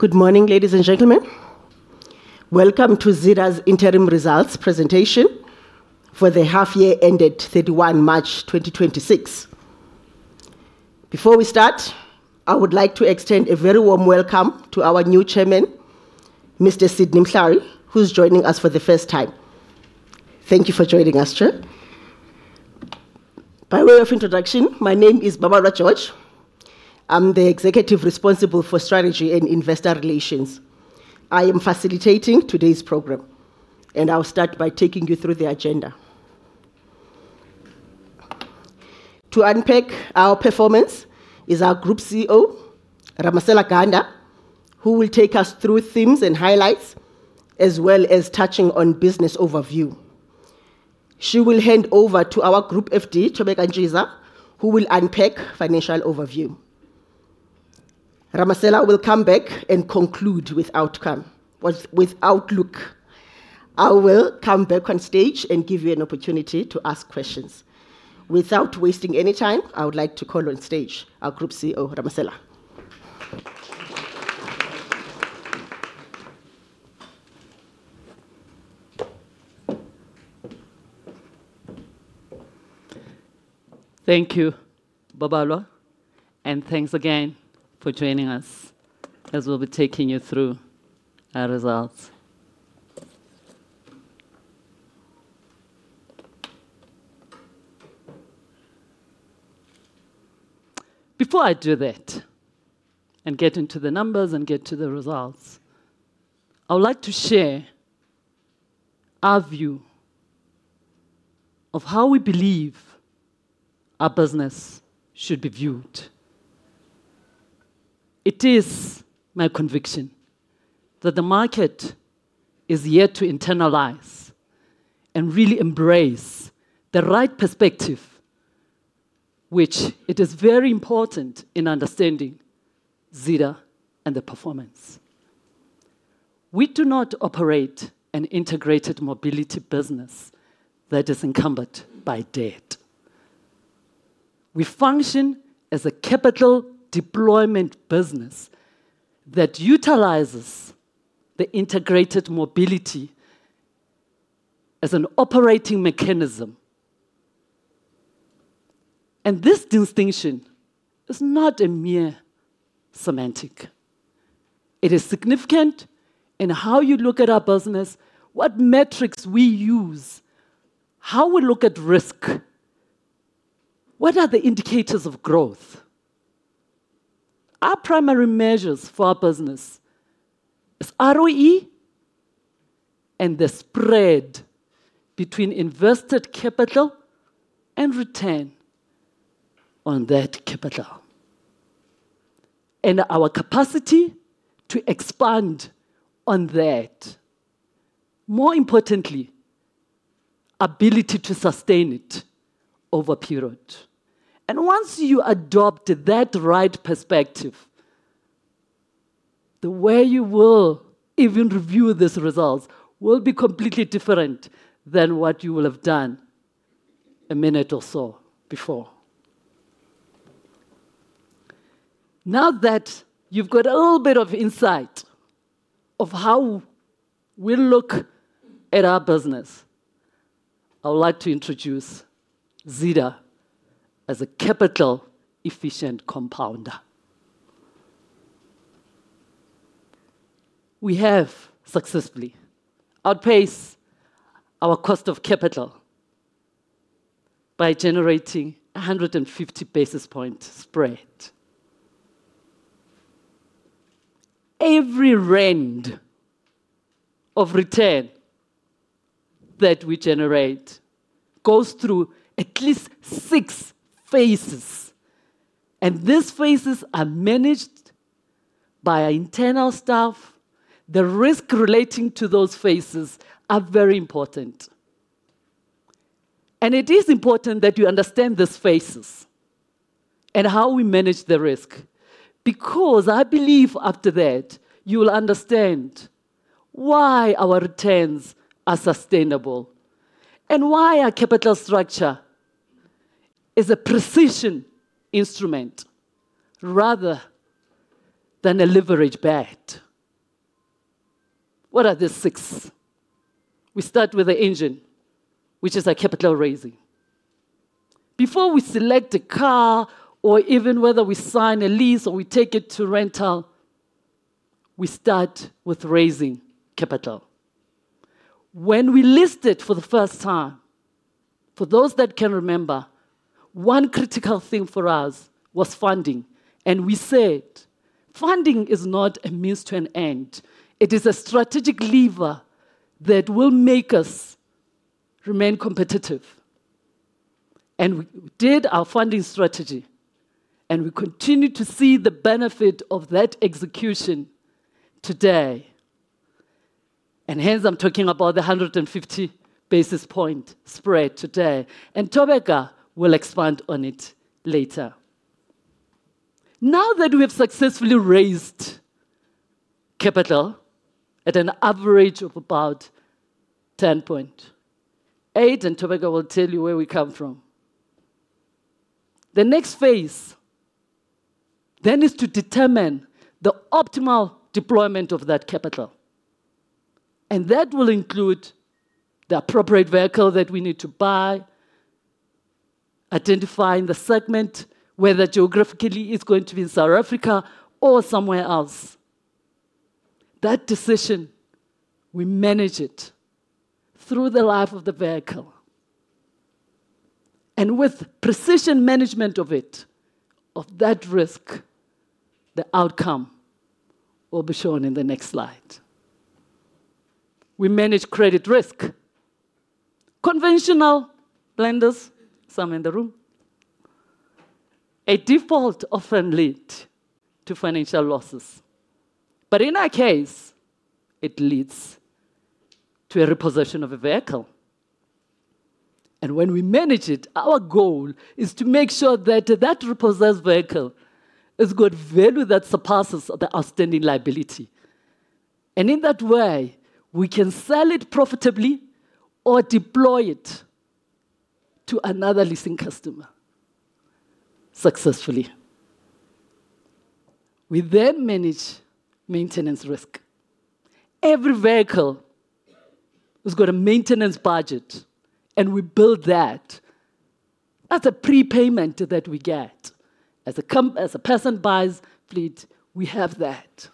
Good morning, ladies and gentlemen. Welcome to Zeda's interim results presentation for the half year ended March 31, 2026. Before we start, I would like to extend a very warm welcome to our new Chairman, Mr. Sydney Mhlarhi, who's joining us for the first time. Thank you for joining us, sir. By way of introduction, my name is Babalwa George. I'm the executive responsible for strategy and investor relations. I am facilitating today's program, and I'll start by taking you through the agenda. To unpack our performance is our Group CEO, Ramasela Ganda, who will take us through themes and highlights, as well as touching on business overview. She will hand over to our Group FD, Thobeka Ntshiza, who will unpack financial overview. Ramasela will come back and conclude with outlook. I will come back on stage and give you an opportunity to ask questions. Without wasting any time, I would like to call on stage our Group CEO, Ramasela. Thank you, Babalwa, and thanks again for joining us as we'll be taking you through our results. Before I do that and get into the numbers and get to the results, I would like to share our view of how we believe our business should be viewed. It is my conviction that the market is yet to internalize and really embrace the right perspective, which it is very important in understanding Zeda and the performance. We do not operate an integrated mobility business that is encumbered by debt. We function as a capital deployment business that utilizes the integrated mobility as an operating mechanism. This distinction is not a mere semantic. It is significant in how you look at our business, what metrics we use, how we look at risk. What are the indicators of growth? Our primary measures for our business is ROE and the spread between invested capital and return on that capital, and our capacity to expand on that. More importantly, ability to sustain it over a period. Once you adopt that right perspective, the way you will even review these results will be completely different than what you will have done a minute or so before. Now that you've got a little bit of insight of how we look at our business, I would like to introduce Zeda as a capital efficient compounder. We have successfully outpaced our cost of capital by generating 150 basis point spread. Every rand of return that we generate goes through at least six phases, and these phases are managed by our internal staff. The risk relating to those phases are very important. It is important that you understand these phases and how we manage the risk, because I believe after that, you'll understand why our returns are sustainable and why our capital structure is a precision instrument rather than a leverage bet. What are the six? We start with the engine, which is our capital raising. Before we select a car or even whether we sign a lease or we take it to rental, we start with raising capital. When we listed for the first time, for those that can remember, one critical thing for us was funding, and we said funding is not a means to an end. It is a strategic lever that will make us remain competitive. We did our funding strategy, and we continue to see the benefit of that execution today. Here's I'm talking about 150 basis point spread today, Thobeka will expand on it later. That we've successfully raised capital at an average of about 10.8%, Thobeka will tell you where we come from. The next phase then is to determine the optimal deployment of that capital, that will include the appropriate vehicle that we need to buy, identifying the segment, whether geographically it's going to be in South Africa or somewhere else. That decision, we manage it through the life of the vehicle. With precision management of that risk, the outcome will be shown in the next slide. We manage credit risk. Conventional lenders, some in the room. A default often lead to financial losses, in our case, it leads to a repossession of a vehicle. When we manage it, our goal is to make sure that that repossessed vehicle has got value that surpasses the outstanding liability. In that way, we can sell it profitably or deploy it to another leasing customer successfully. We manage maintenance risk. Every vehicle has got a maintenance budget, and we build that as a prepayment that we get. As a person buys fleet, we have that.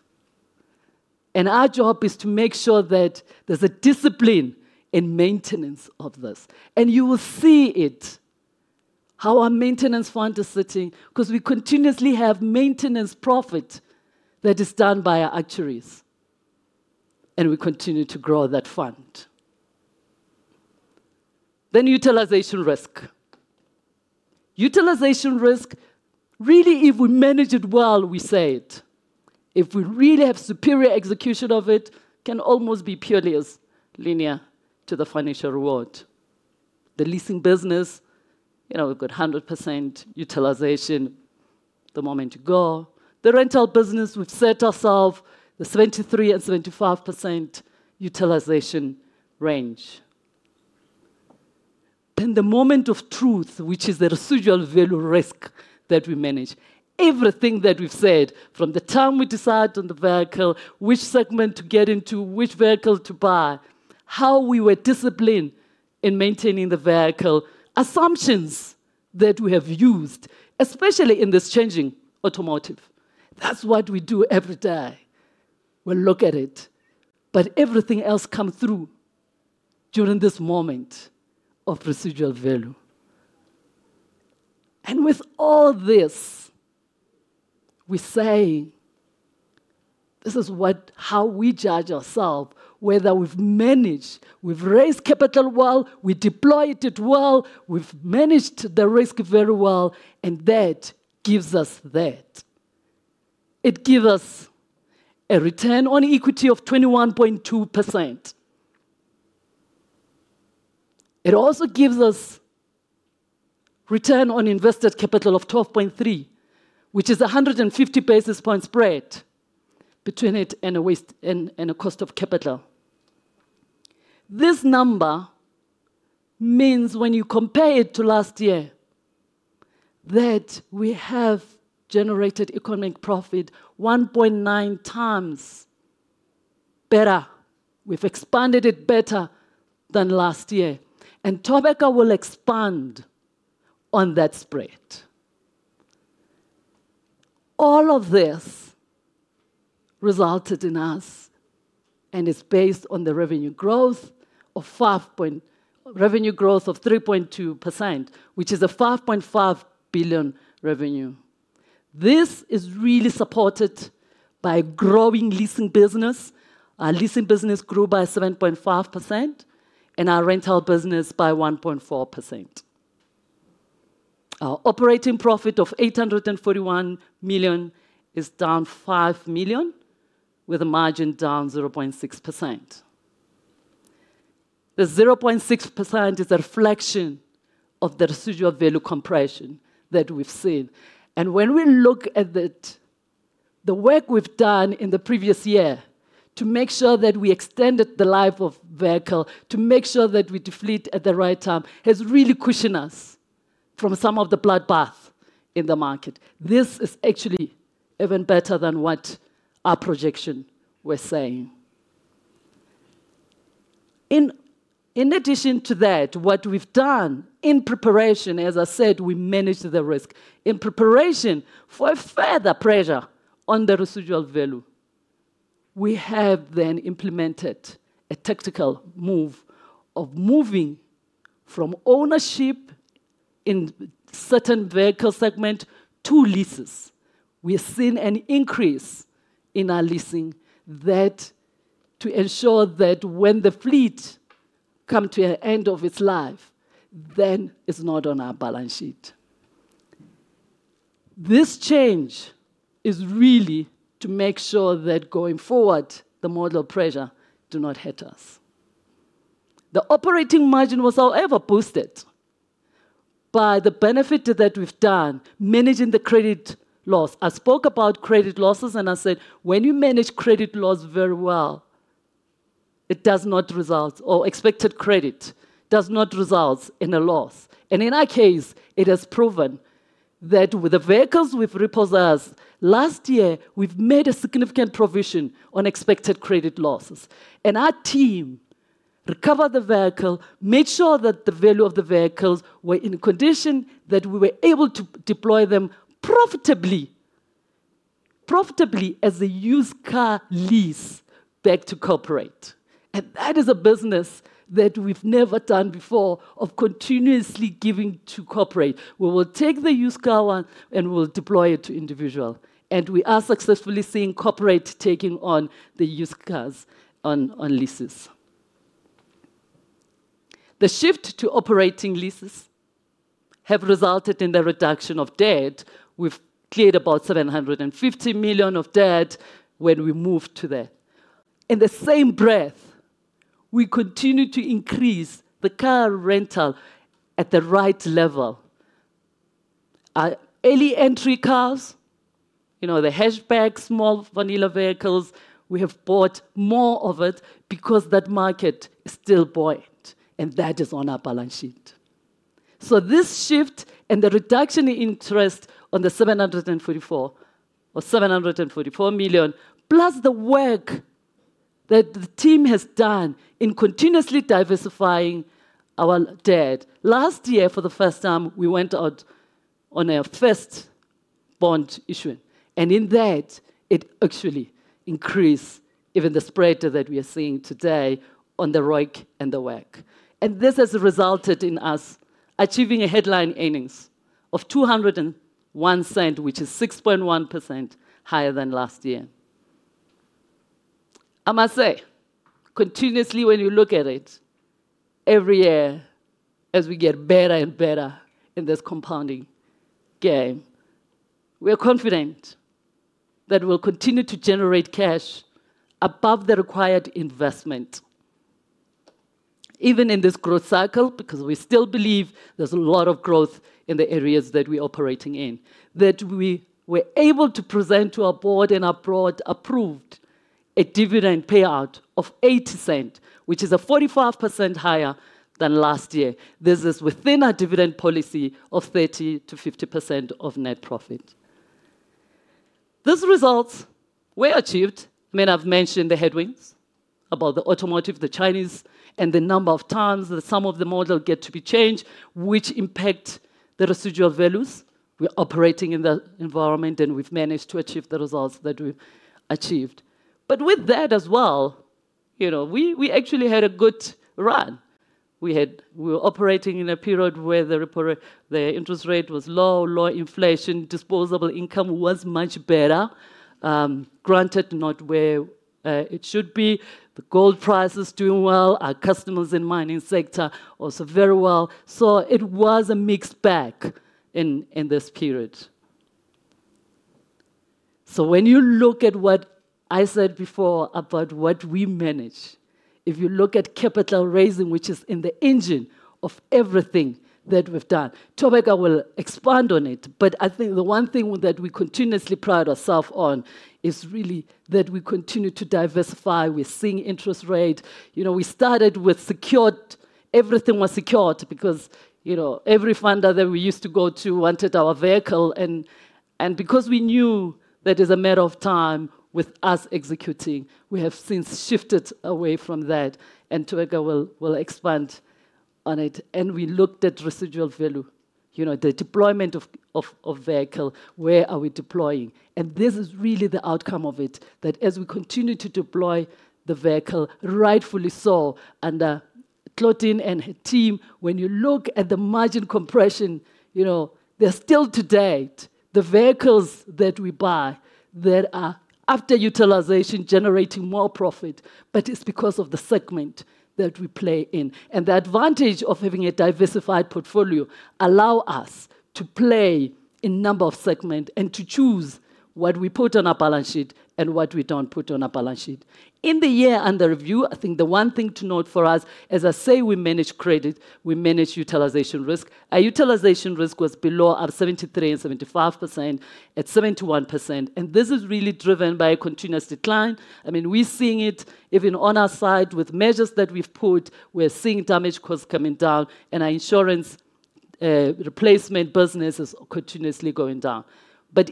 Our job is to make sure that there's a discipline in maintenance of this. You will see it, how our maintenance fund is sitting, because we continuously have maintenance profit that is done by our actuaries, and we continue to grow that fund. Utilization risk. Utilization risk, really, if we manage it well, we say it. If we really have superior execution of it, can almost be purely as linear to the financial reward. The leasing business, we've got 100% utilization the moment you go. The rental business, we've set ourselves a 23% and 25% utilization range. The moment of truth, which is the residual value risk that we manage. Everything that we've said, from the time we decide on the vehicle, which segment to get into, which vehicle to buy, how we were disciplined in maintaining the vehicle, assumptions that we have used, especially in this changing automotive. That's what we do every day. We look at it. Everything else come through during this moment of residual value. With all this, we say this is how we judge ourselves, whether we've managed, we've raised capital well, we deployed it well, we've managed the risk very well, and that gives us that. It give us a return on equity of 21.2%. It also gives us return on investors' capital of 12.3%, which is 150 basis point spread between it and the cost of capital. This number means when you compare it to last year, that we have generated economic profit 1.9x better. We've expanded it better than last year. Thobeka will expand on that spread. All of this resulted in us, and it's based on the revenue growth of 3.2%, which is a 5.5 billion revenue. This is really supported by growing leasing business. Our leasing business grew by 7.5% and our rental business by 1.4%. Our operating profit of 841 million is down 5 million, with the margin down 0.6%. The 0.6% is a reflection of the residual value compression that we've seen. When we look at the work we've done in the previous year to make sure that we extended the life of vehicle, to make sure that we defleet at the right time, has really cushioned us from some of the bloodbath in the market. This is actually even better than what our projection was saying. In addition to that, what we've done in preparation, as I said, we managed the risk. In preparation for further pressure on the residual value, we have then implemented a tactical move of moving from ownership in certain vehicle segment to leases. We've seen an increase in our leasing to ensure that when the fleet come to an end of its life, then it's not on our balance sheet. This change is really to make sure that going forward, the model pressure do not hit us. The operating margin was however boosted by the benefit that we've done managing the credit loss. I spoke about credit losses. When you manage credit loss very well, it does not result, or expected credit does not result in a loss. In our case, it has proven that with the vehicles we've repossessed last year, we've made a significant provision on expected credit losses. Our team recover the vehicle, made sure that the value of the vehicles were in a condition that we were able to deploy them profitably as a used car lease back to corporate. That is a business that we've never done before of continuously giving to corporate. Where we'll take the used car one, we'll deploy it to individual. We are successfully seeing corporate taking on the used cars on leases. The shift to operating leases have resulted in the reduction of debt. We've cleared about 750 million of debt when we moved to that. In the same breath, we continue to increase the car rental at the right level. Our early entry cars, the hatchbacks, small vanilla vehicles, we have bought more of it because that market is still buoyant, and that is on our balance sheet. This shift and the reduction interest on the 744 million, plus the work that the team has done in continuously diversifying our debt. Last year, for the first time, we went out on our first bond issue, and in that it actually increased even the spread that we are seeing today on the ROIC and the WACC. This has resulted in us achieving a headline earnings of 2.01, which is 6.1% higher than last year. I must say, continuously when you look at it, every year, as we get better and better in this compounding game, we are confident that we'll continue to generate cash above the required investment. Even in this growth cycle, because we still believe there's a lot of growth in the areas that we're operating in, that we were able to present to our board and our board approved a dividend payout of 0.80, which is 45% higher than last year. This is within our dividend policy of 30%-50% of net profit. These results were achieved. I've mentioned the headwinds, about the automotive, the Chinese, and the number of times that some of the model get to be changed, which impact the residual values. We're operating in that environment. We've managed to achieve the results that we've achieved. With that as well, we actually had a good run. We were operating in a period where the interest rate was low, low inflation, disposable income was much better. Granted, not where it should be. The gold price is doing well. Our customers in mining sector also very well. It was a mixed bag in this period. When you look at what I said before about what we manage, if you look at capital raising, which is in the engine of everything that we've done. Thobeka will expand on it, but I think the one thing that we continuously pride ourself on is really that we continue to diversify. We're seeing interest rate. We started with secured. Everything was secured because every funder that we used to go to wanted our vehicle, and because we knew that as a matter of time, with us executing, we have since shifted away from that, and Thobeka will expand on it. We looked at Residual Value, the deployment of vehicle, where are we deploying? This is really the outcome of it, that as we continue to deploy the vehicle, rightfully so, under Claudine and her team, when you look at the margin compression, they're still to date, the vehicles that we buy, that are after utilization, generating more profit. That is because of the segment that we play in. The advantage of having a diversified portfolio allow us to play in number of segment and to choose what we put on our balance sheet and what we don't put on our balance sheet. In the year under review, I think the one thing to note for us, as I say, we manage credit, we manage utilization risk. Our utilization risk was below our 73% and 75% at 71%. This is really driven by a continuous decline. We're seeing it even on our side with measures that we've put. We're seeing damage costs coming down and our insurance replacement business is continuously going down.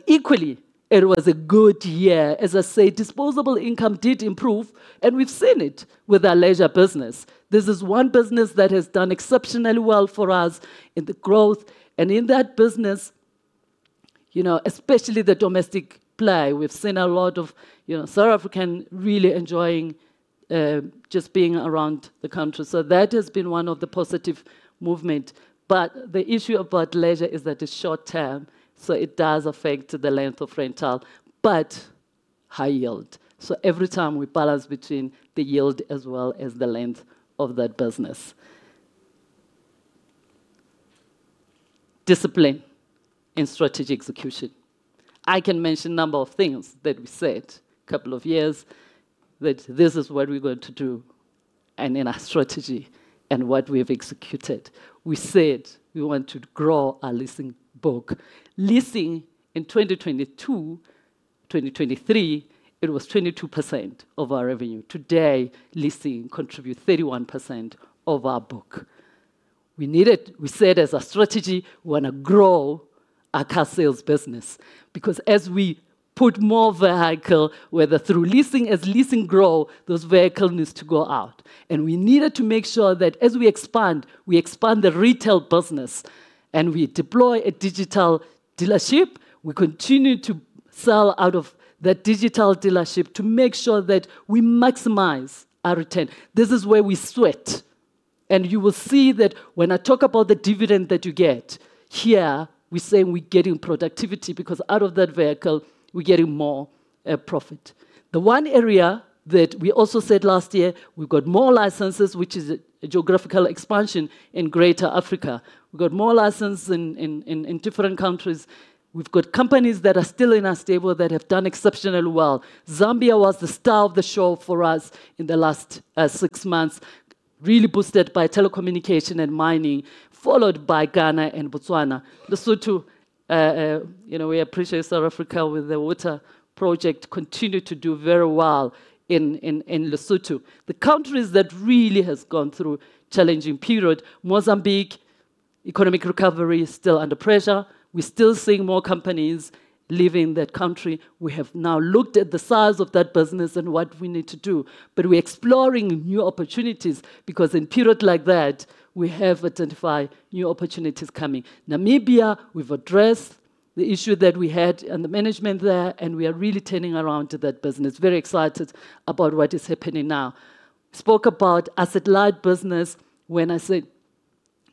Equally, it was a good year. As I say, disposable income did improve, and we've seen it with our leisure business. This is one business that has done exceptionally well for us in the growth and in that business, especially the domestic play. We've seen a lot of South African really enjoying just being around the country. That has been one of the positive movement. The issue about leisure is that it's short-term, it does affect the length of rental, but high yield. Every time we balance between the yield as well as the length of that business. Discipline and strategic execution. I can mention a number of things that we said couple of years that this is what we're going to do in our strategy. What we have executed. We said we want to grow our leasing book. Leasing in 2022, 2023, it was 22% of our revenue. Today, leasing contributes 31% of our book. We said as a strategy, we want to grow our car sales business, because as we put more vehicle, whether through leasing, as leasing grow, those vehicle needs to go out. We needed to make sure that as we expand, we expand the retail business and we deploy a digital dealership. We continue to sell out of that digital dealership to make sure that we maximize our return. This is where we sweat. You will see that when I talk about the dividend that you get, here, we say we're getting productivity because out of that vehicle, we're getting more profit. The one area that we also said last year, we've got more licenses, which is a geographical expansion in Greater Africa. We've got more licenses in different countries. We've got companies that are still in our stable that have done exceptionally well. Zambia was the star of the show for us in the last six months, really boosted by telecommunication and mining, followed by Ghana and Botswana. Lesotho, we appreciate South Africa with the water project, continue to do very well in Lesotho. The countries that really has gone through challenging period, Mozambique, economic recovery is still under pressure. We're still seeing more companies leaving that country. We have now looked at the size of that business and what we need to do. We're exploring new opportunities because in period like that, we have identified new opportunities coming. Namibia, we've addressed the issue that we had and the management there, and we are really turning around to that business. Very excited about what is happening now. Spoke about asset-light business when I said,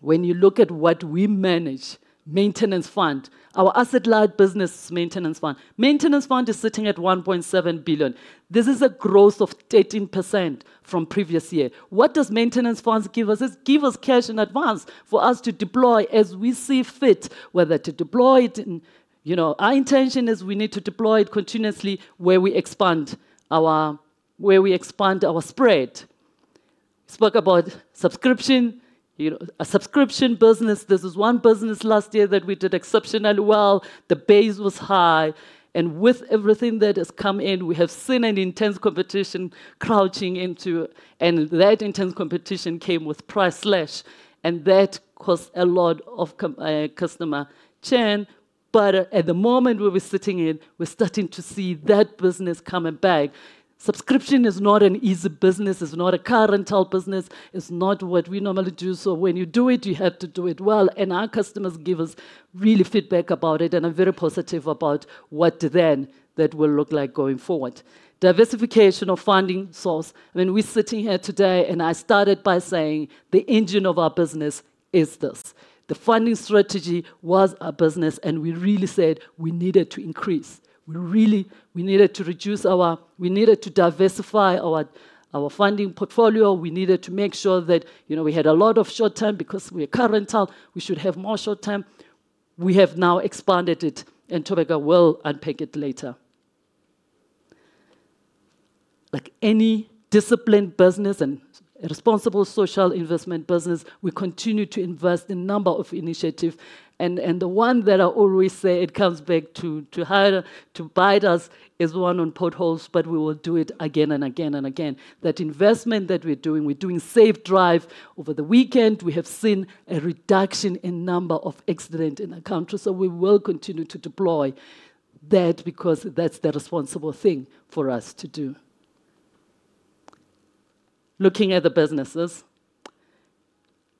when you look at what we manage, Maintenance Fund. Our asset-light business is Maintenance Fund. Maintenance Fund is sitting at 1.7 billion. This is a growth of 13% from previous year. What does Maintenance Funds give us? It give us cash in advance for us to deploy as we see fit, whether to deploy it. Our intention is we need to deploy it continuously where we expand our spread. Spoke about subscription business. This is one business last year that we did exceptionally well. The base was high. With everything that has come in, we have seen an intense competition crouching into. That intense competition came with price slash. That caused a lot of customer churn. At the moment we were sitting in, we're starting to see that business coming back. Subscription is not an easy business. It's not a car rental business. It's not what we normally do. When you do it, you have to do it well. Our customers give us really feedback about it. I'm very positive about what then that will look like going forward. Diversification of funding source. When we're sitting here today, I started by saying the engine of our business is this. The funding strategy was our business, and we really said we needed to increase. We needed to diversify our funding portfolio. We needed to make sure that we had a lot of short term because we're car rental. We should have more short term. We have now expanded it, and Thobeka will unpack it later. Like any disciplined business and responsible social investment business, we continue to invest in number of initiatives. The one that I always say it comes back to bite us is one on potholes, but we will do it again and again and again. That investment that we're doing, we're doing safe drive. Over the weekend, we have seen a reduction in number of accidents in our country. We will continue to deploy that because that's the responsible thing for us to do. Looking at the businesses.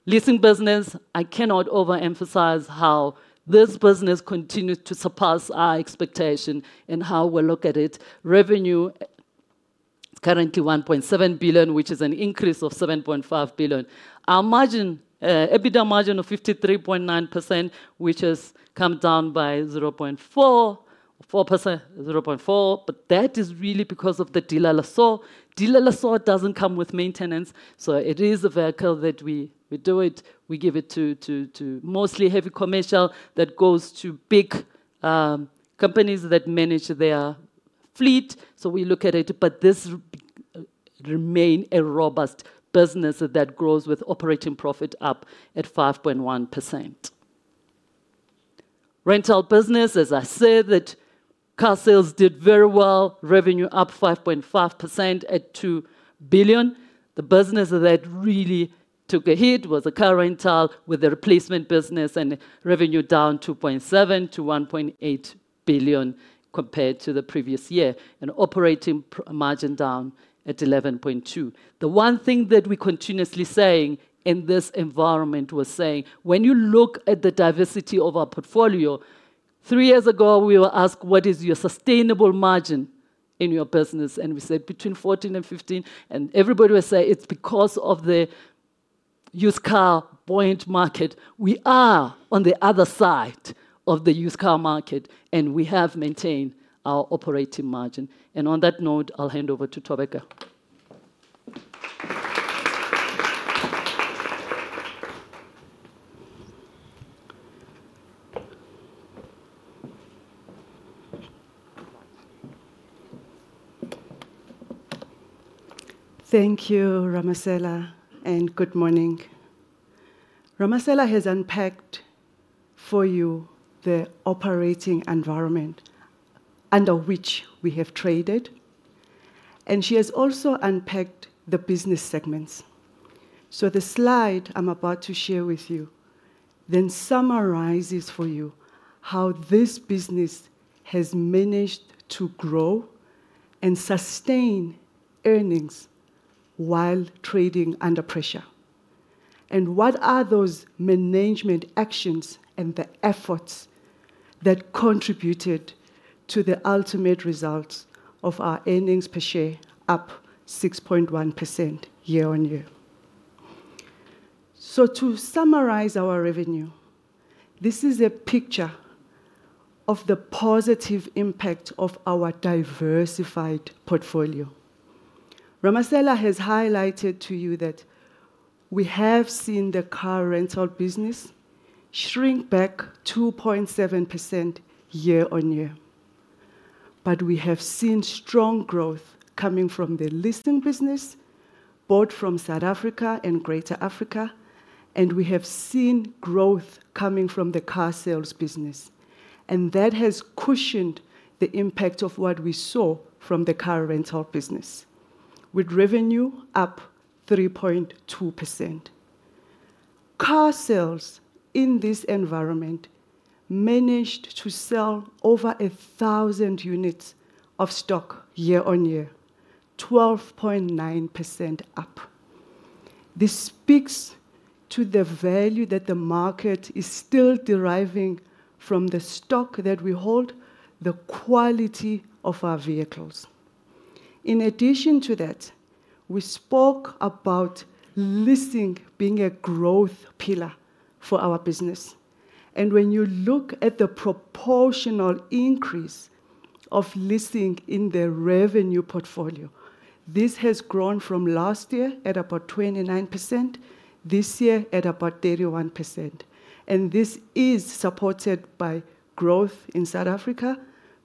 Leasing business, I cannot overemphasize how this business continues to surpass our expectation in how we look at it. Revenue is currently 1.7 billion, which is an increase of 7.5 billion. Our EBITDA margin of 53.9%, which has come down by 0.4%, but that is really because of the dealer of sorts. Dealer of sorts doesn't come with maintenance, so it is a vehicle that we do it. We give it to mostly heavy commercial that goes to big companies that manage their fleet. We look at it, but this remain a robust business that grows with operating profit up at 5.1%. Rental business, as I said that Car Sales did very well, revenue up 5.5% at 2 billion. The business that really took a hit was the car rental with the replacement business and revenue down 2.7 billion-1.8 billion compared to the previous year, and operating margin down at 11.2%. The one thing that we're continuously saying in this environment, we're saying, when you look at the diversity of our portfolio, three years ago, we were asked what is your sustainable margin in your business? We said between 14% and 15%, and everybody will say it's because of the used car buoyant market. We are on the other side of the used car market, and we have maintained our operating margin. On that note, I'll hand over to Thobeka. Thank you, Ramasela, and good morning. Ramasela has unpacked for you the operating environment under which we have traded, and she has also unpacked the business segments. The slide I'm about to share with you then summarizes for you how this business has managed to grow and sustain earnings while trading under pressure. What are those management actions and the efforts that contributed to the ultimate results of our earnings per share up 6.1% year-on-year. To summarize our revenue, this is a picture of the positive impact of our diversified portfolio. Ramasela has highlighted to you that we have seen the car rental business shrink back 2.7% year-on-year. We have seen strong growth coming from the leasing business, both from South Africa and Greater Africa, and we have seen growth coming from the car sales business. That has cushioned the impact of what we saw from the car rental business, with revenue up 3.2%. Car sales in this environment managed to sell over 1,000 units of stock year-on-year, 12.9% up. This speaks to the value that the market is still deriving from the stock that we hold, the quality of our vehicles. In addition to that, we spoke about leasing being a growth pillar for our business. When you look at the proportional increase of leasing in the revenue portfolio, this has grown from last year at about 29%, this year at about 31%. This is supported by growth in South Africa,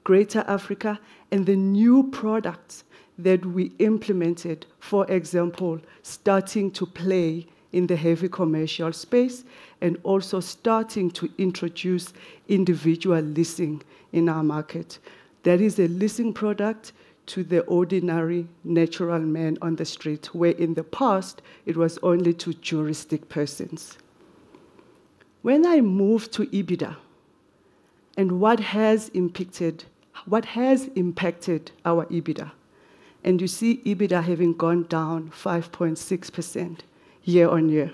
Greater Africa, and the new products that we implemented, for example, starting to play in the heavy commercial space, and also starting to introduce individual leasing in our market. That is a leasing product to the ordinary natural man on the street, where in the past it was only to juristic persons. When I move to EBITDA and what has impacted our EBITDA, and you see EBITDA having gone down 5.6% year-on-year.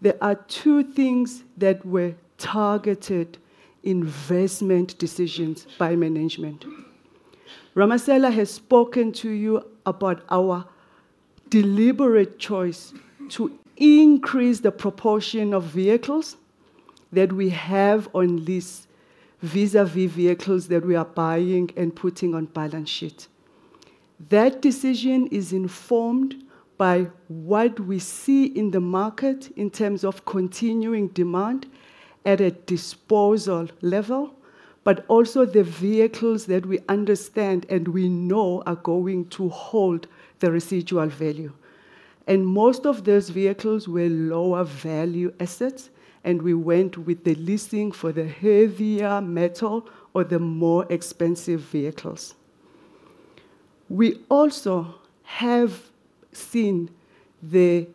There are two things that were targeted investment decisions by management. Ramasela has spoken to you about our deliberate choice to increase the proportion of vehicles that we have on lease vis-à-vis vehicles that we are buying and putting on balance sheet. That decision is informed by what we see in the market in terms of continuing demand at a disposal level, but also the vehicles that we understand and we know are going to hold the residual value. Most of those vehicles were lower value assets, and we went with the leasing for the heavier metal or the more expensive vehicles. We also have seen the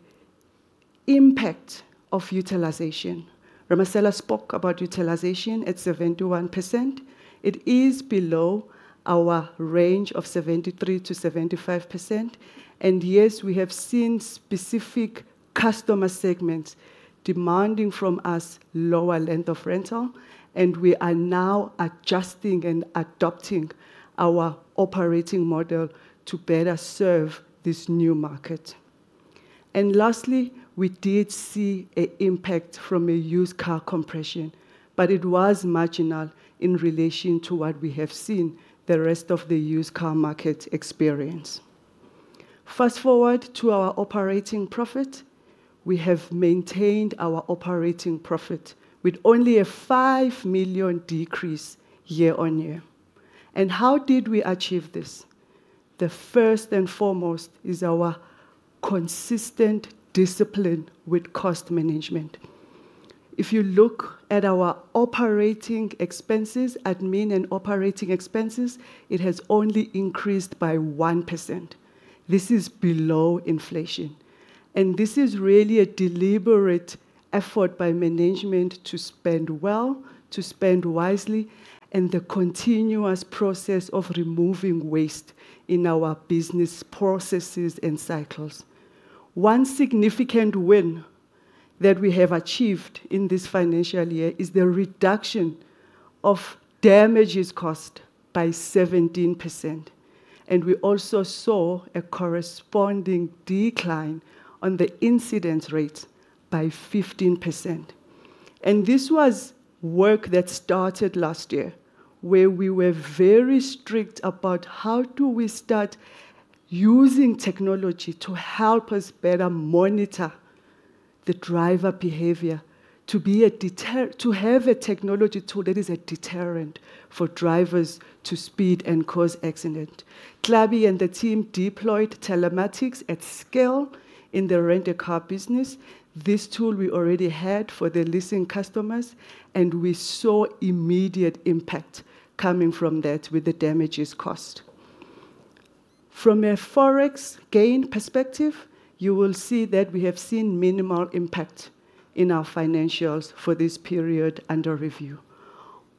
impact of utilization. Ramasela spoke about utilization at 71%. It is below our range of 73%-75%. Yes, we have seen specific customer segments demanding from us lower length of rental, and we are now adjusting and adopting our operating model to better serve this new market. Lastly, we did see an impact from a used car compression, but it was marginal in relation to what we have seen the rest of the used car market experience. Fast-forward to our operating profit. We have maintained our operating profit with only a 5 million decrease year-on-year. How did we achieve this? The first and foremost is our consistent discipline with cost management. If you look at our operating expenses, admin and operating expenses, it has only increased by 1%. This is below inflation. This is really a deliberate effort by management to spend well, to spend wisely, and the continuous process of removing waste in our business processes and cycles. One significant win that we have achieved in this financial year is the reduction of damages cost by 17%. We also saw a corresponding decline on the incidence rate by 15%. This was work that started last year, where we were very strict about how do we start using technology to help us better monitor the driver behavior. To have a technology tool that is a deterrent for drivers to speed and cause accident. Tlhabi and the team deployed telematics at scale in the rental car business. This tool we already had for the leasing customers, and we saw immediate impact coming from that with the damages cost. From a Forex gain perspective, you will see that we have seen minimal impact in our financials for this period under review.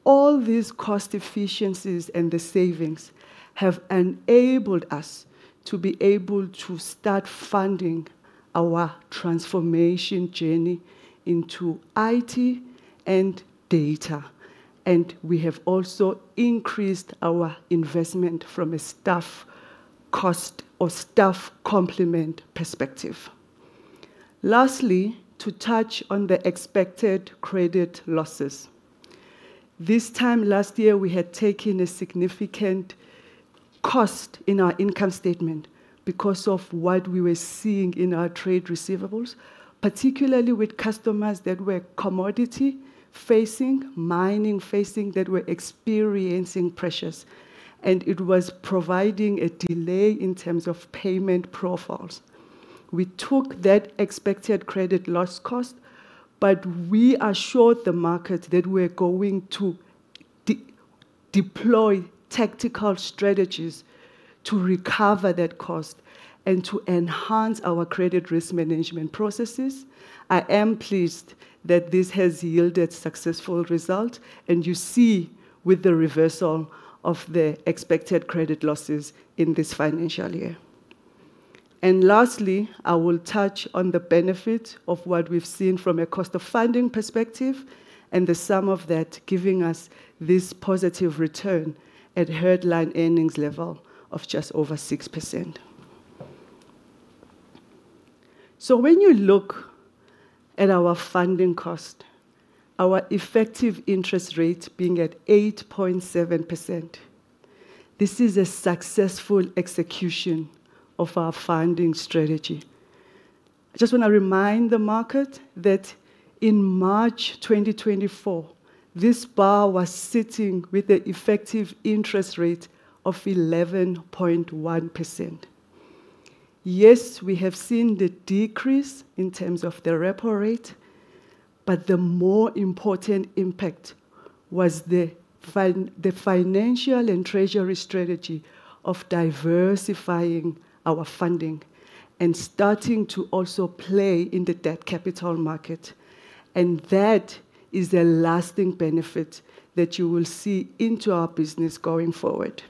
All these cost efficiencies and the savings have enabled us to be able to start funding our transformation journey into IT and data. We have also increased our investment from a staff cost or staff complement perspective. Lastly, to touch on the expected credit losses. This time last year, we had taken a significant cost in our income statement because of what we were seeing in our trade receivables, particularly with customers that were commodity facing, mining facing, that were experiencing pressures, and it was providing a delay in terms of payment profiles. We took that expected credit loss cost, but we assured the market that we're going to deploy tactical strategies to recover that cost and to enhance our credit risk management processes. I am pleased that this has yielded successful results, you see with the reversal of the expected credit losses in this financial year. Lastly, I will touch on the benefit of what we've seen from a cost of funding perspective and the sum of that giving us this positive return at headline earnings level of just over 6%. When you look at our funding cost, our effective interest rate being at 8.7%, this is a successful execution of our funding strategy. I just want to remind the market that in March 2024, this book was sitting with an effective interest rate of 11.1%. Yes, we have seen the decrease in terms of the repo rate, but the more important impact was the financial and treasury strategy of diversifying our funding and starting to also play in the debt capital market. That is a lasting benefit that you will see into our business going forward.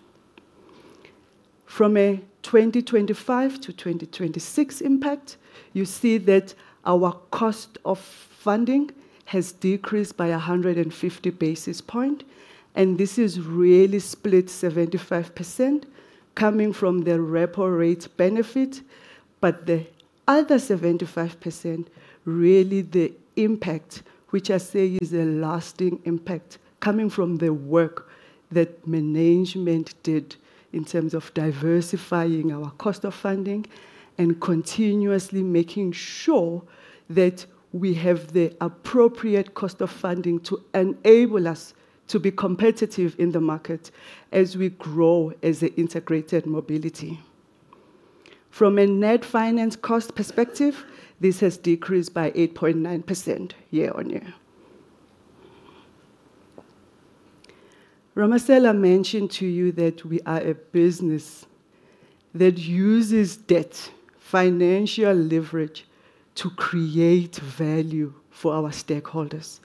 From a 2025-2026 impact, you see that our cost of funding has decreased by 150 basis points, this is really split 75% coming from the repo rate benefit. The other 75%, really the impact, which I say is a lasting impact coming from the work that management did in terms of diversifying our cost of funding and continuously making sure that we have the appropriate cost of funding to enable us to be competitive in the market as we grow as an integrated mobility. From a net finance cost perspective, this has decreased by 8.9% year-over-year. Ramasela mentioned to you that we are a business that uses debt financial leverage to create value for our stakeholders.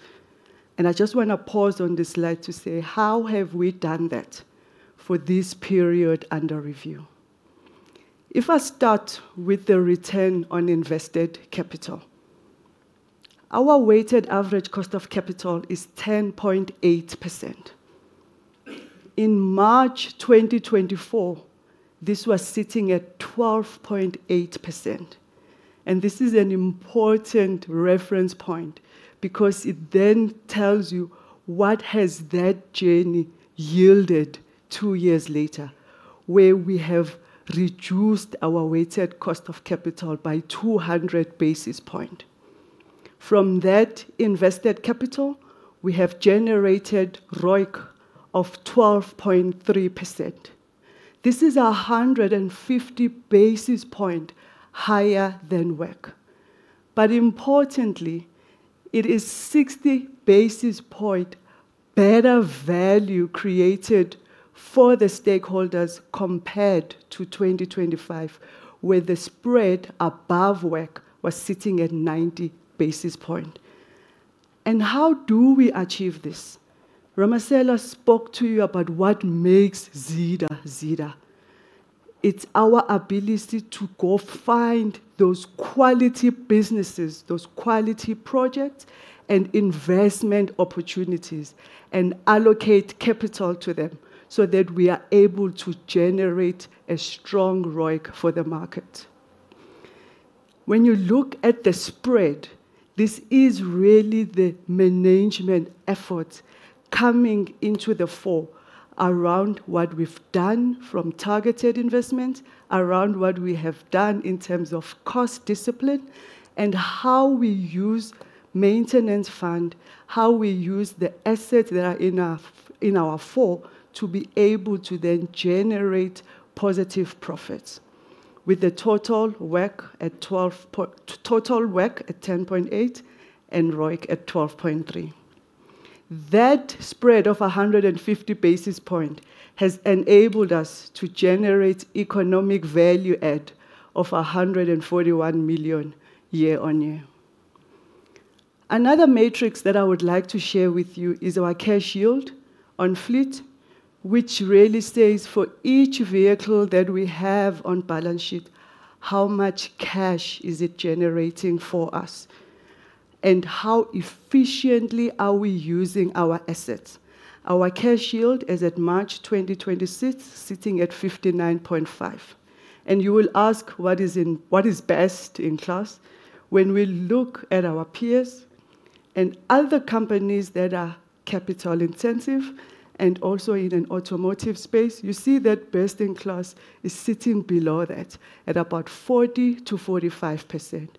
I just want to pause on this slide to say: How have we done that for this period under review? If I start with the return on invested capital, our weighted average cost of capital is 10.8%. In March 2024, this was sitting at 12.8%. This is an important reference point because it then tells you what has that journey yielded two years later, where we have reduced our weighted cost of capital by 200 basis points. From that invested capital, we have generated ROIC of 12.3%. This is 150 basis points higher than WACC. Importantly, it is 60 basis points better value created for the stakeholders compared to 2025, where the spread above WACC was sitting at 90 basis points. How do we achieve this? Ramasela spoke to you about what makes Zeda Zeda. It's our ability to go find those quality businesses, those quality projects, and investment opportunities, and allocate capital to them so that we are able to generate a strong ROIC for the market. When you look at the spread, this is really the management effort coming into the fore around what we've done from targeted investments, around what we have done in terms of cost discipline, and how we use maintenance fund, how we use the assets that are in our fore to be able to then generate positive profits. With the total WACC at 10.8% and ROIC at 12.3%. That spread of 150 basis point has enabled us to generate economic value add of 141 million year-on-year. Another metric that I would like to share with you is our cash yield on fleet, which really says for each vehicle that we have on balance sheet, how much cash is it generating for us, and how efficiently are we using our assets? Our cash yield as at March 2026, sitting at 59.5%. You will ask what is best-in-class. When we look at our peers and other companies that are capital intensive, and also in an automotive space, you see that best-in-class is sitting below that at about 40%-45%.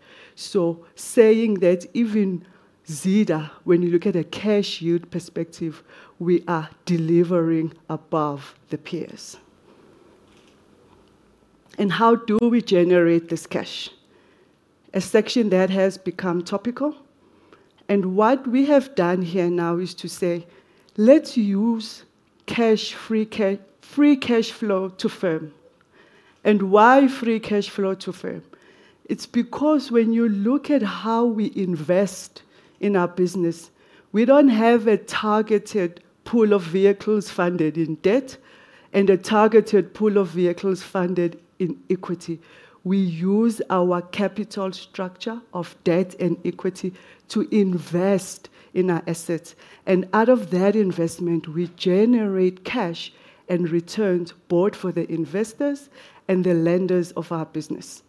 Saying that even Zeda, when you look at a cash yield perspective, we are delivering above the peers. How do we generate this cash? A section that has become topical, and what we have done here now is to say, let's use Free cash flow to firm. Why free cash flow to firm? It's because when you look at how we invest in our business, we don't have a targeted pool of vehicles funded in debt and a targeted pool of vehicles funded in equity. We use our capital structure of debt and equity to invest in our assets. Out of that investment, we generate cash and returns both for the investors and the lenders of our business.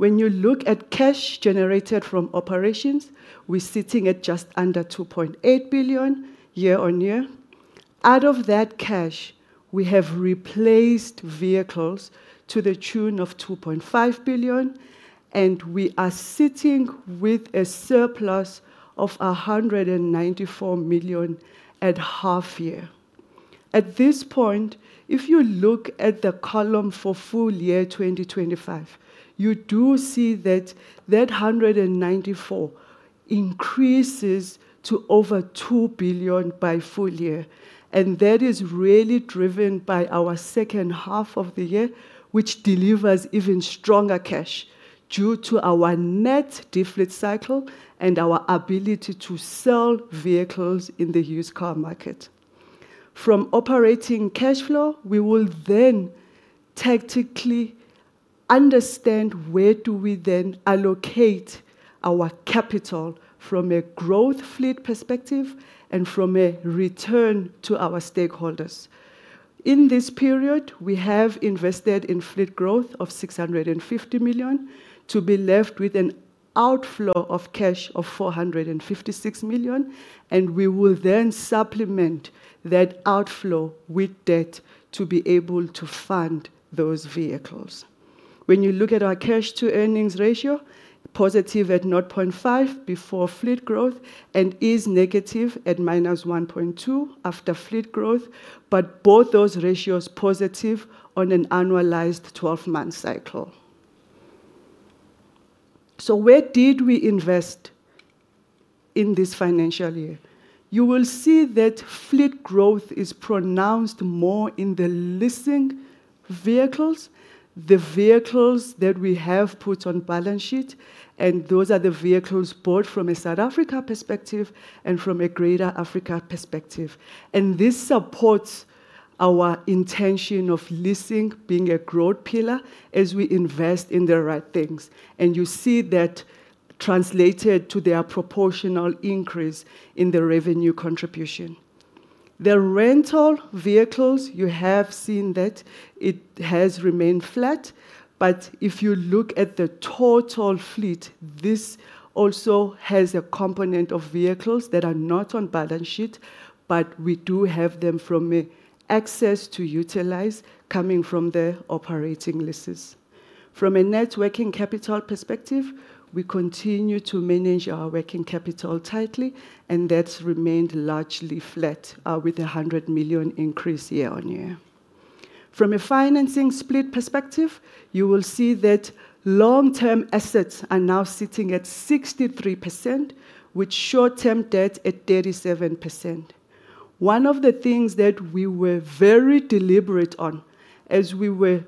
When you look at cash generated from operations, we're sitting at just under 2.8 billion year-on-year. Out of that cash, we have replaced vehicles to the tune of 2.5 billion, and we are sitting with a surplus of 194 million at half year. At this point, if you look at the column for full year 2025, you do see that 194 increases to over 2 billion by full year. That is really driven by our second half of the year, which delivers even stronger cash due to our net defleet cycle and our ability to sell vehicles in the used car market. From operating cash flow, we will then tactically understand where do we then allocate our capital from a growth fleet perspective and from a return to our stakeholders. In this period, we have invested in fleet growth of 650 million to be left with an outflow of cash of 456 million. We will then supplement that outflow with debt to be able to fund those vehicles. When you look at our cash to earnings ratio, positive at 0.5x before fleet growth and is negative at 1.2x after fleet growth, both those ratios positive on an annualized 12-month cycle. Where did we invest in this financial year? You will see that fleet growth is pronounced more in the leasing vehicles, the vehicles that we have put on balance sheet. Those are the vehicles bought from a South Africa perspective and from a Greater Africa perspective. This supports our intention of leasing being a growth pillar as we invest in the right things. You see that translated to their proportional increase in the revenue contribution. The rental vehicles, you have seen that it has remained flat, but if you look at the total fleet, this also has a component of vehicles that are not on balance sheet, but we do have them from an access to utilize coming from the operating leases. From a net working capital perspective, we continue to manage our working capital tightly, and that's remained largely flat with 100 million increase year-on-year. From a financing split perspective, you will see that long-term assets are now sitting at 63%, with short-term debt at 37%. One of the things that we were very deliberate on as we were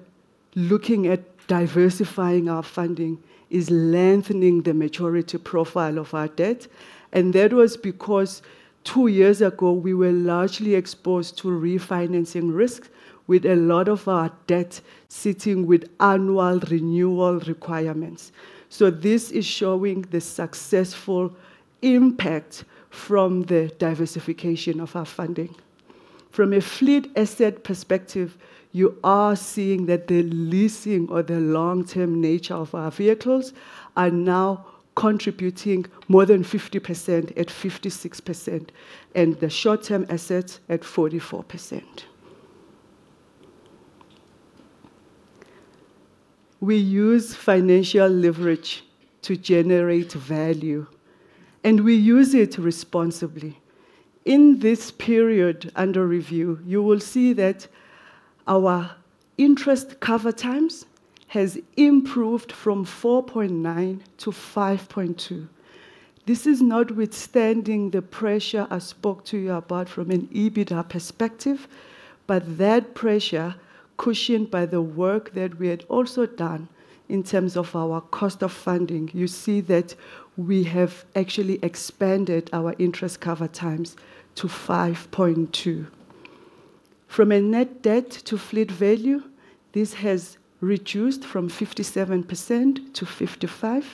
looking at diversifying our funding is lengthening the maturity profile of our debt. That was because two years ago, we were largely exposed to refinancing risk with a lot of our debt sitting with annual renewal requirements. This is showing the successful impact from the diversification of our funding. From a fleet asset perspective, you are seeing that the leasing or the long-term nature of our vehicles are now contributing more than 50%, at 56%, and the short-term assets at 44%. We use financial leverage to generate value, and we use it responsibly. In this period under review, you will see that our interest cover times has improved from 4.9x-5.2x. This is notwithstanding the pressure I spoke to you about from an EBITDA perspective, that pressure cushioned by the work that we had also done in terms of our cost of funding. You see that we have actually expanded our interest cover times to 5.2x. From a net debt to fleet value, this has reduced from 57%-55%.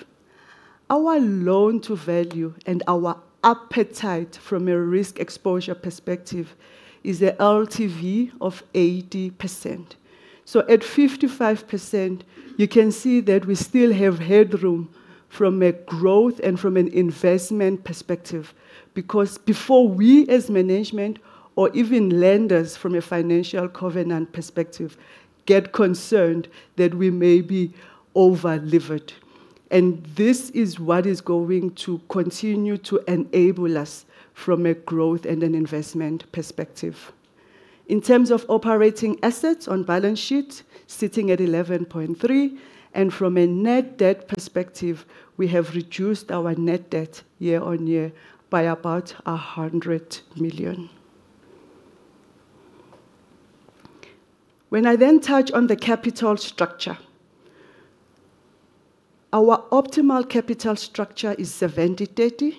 Our loan to value and our appetite from a risk exposure perspective is an LTV of 80%. At 55%, you can see that we still have headroom from a growth and from an investment perspective, because before we as management or even lenders from a financial covenant perspective, get concerned that we may be over-levered. This is what is going to continue to enable us from a growth and an investment perspective. In terms of operating assets on balance sheet, sitting at 11.3%, from a net debt perspective, we have reduced our net debt year-over-year by about ZAR 100 million. When I touch on the capital structure, our optimal capital structure is 70/30.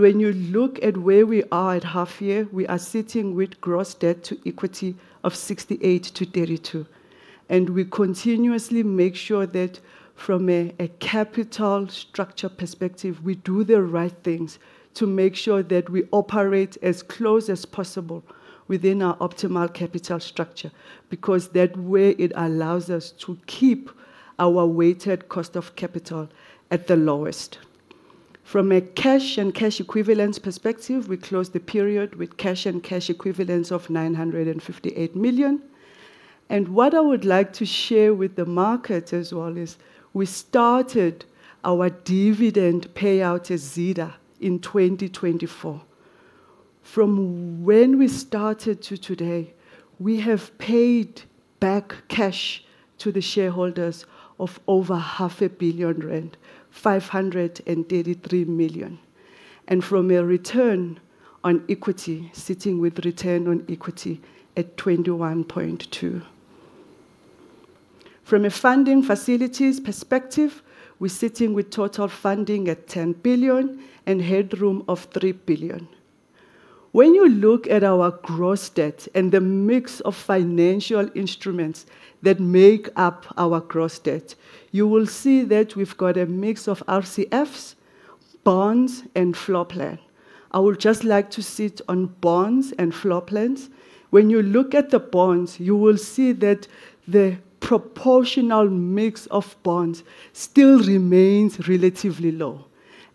When you look at where we are at half year, we are sitting with gross debt to equity of 6832. We continuously make sure that from a capital structure perspective, we do the right things to make sure that we operate as close as possible within our optimal capital structure, because that way it allows us to keep our weighted cost of capital at the lowest. From a cash and cash equivalence perspective, we closed the period with cash and cash equivalence of 958 million. What I would like to share with the market as well is we started our dividend payout at Zeda in 2024. From when we started to today, we have paid back cash to the shareholders of over 500 million rand, 533 million. From a return on equity, sitting with return on equity at 21.2%. From a funding facilities perspective, we're sitting with total funding at 10 billion and headroom of 3 billion. When you look at our gross debt and the mix of financial instruments that make up our gross debt, you will see that we've got a mix of RCFs, bonds, and floor plan. I would just like to sit on bonds and floor plans. When you look at the bonds, you will see that the proportional mix of bonds still remains relatively low.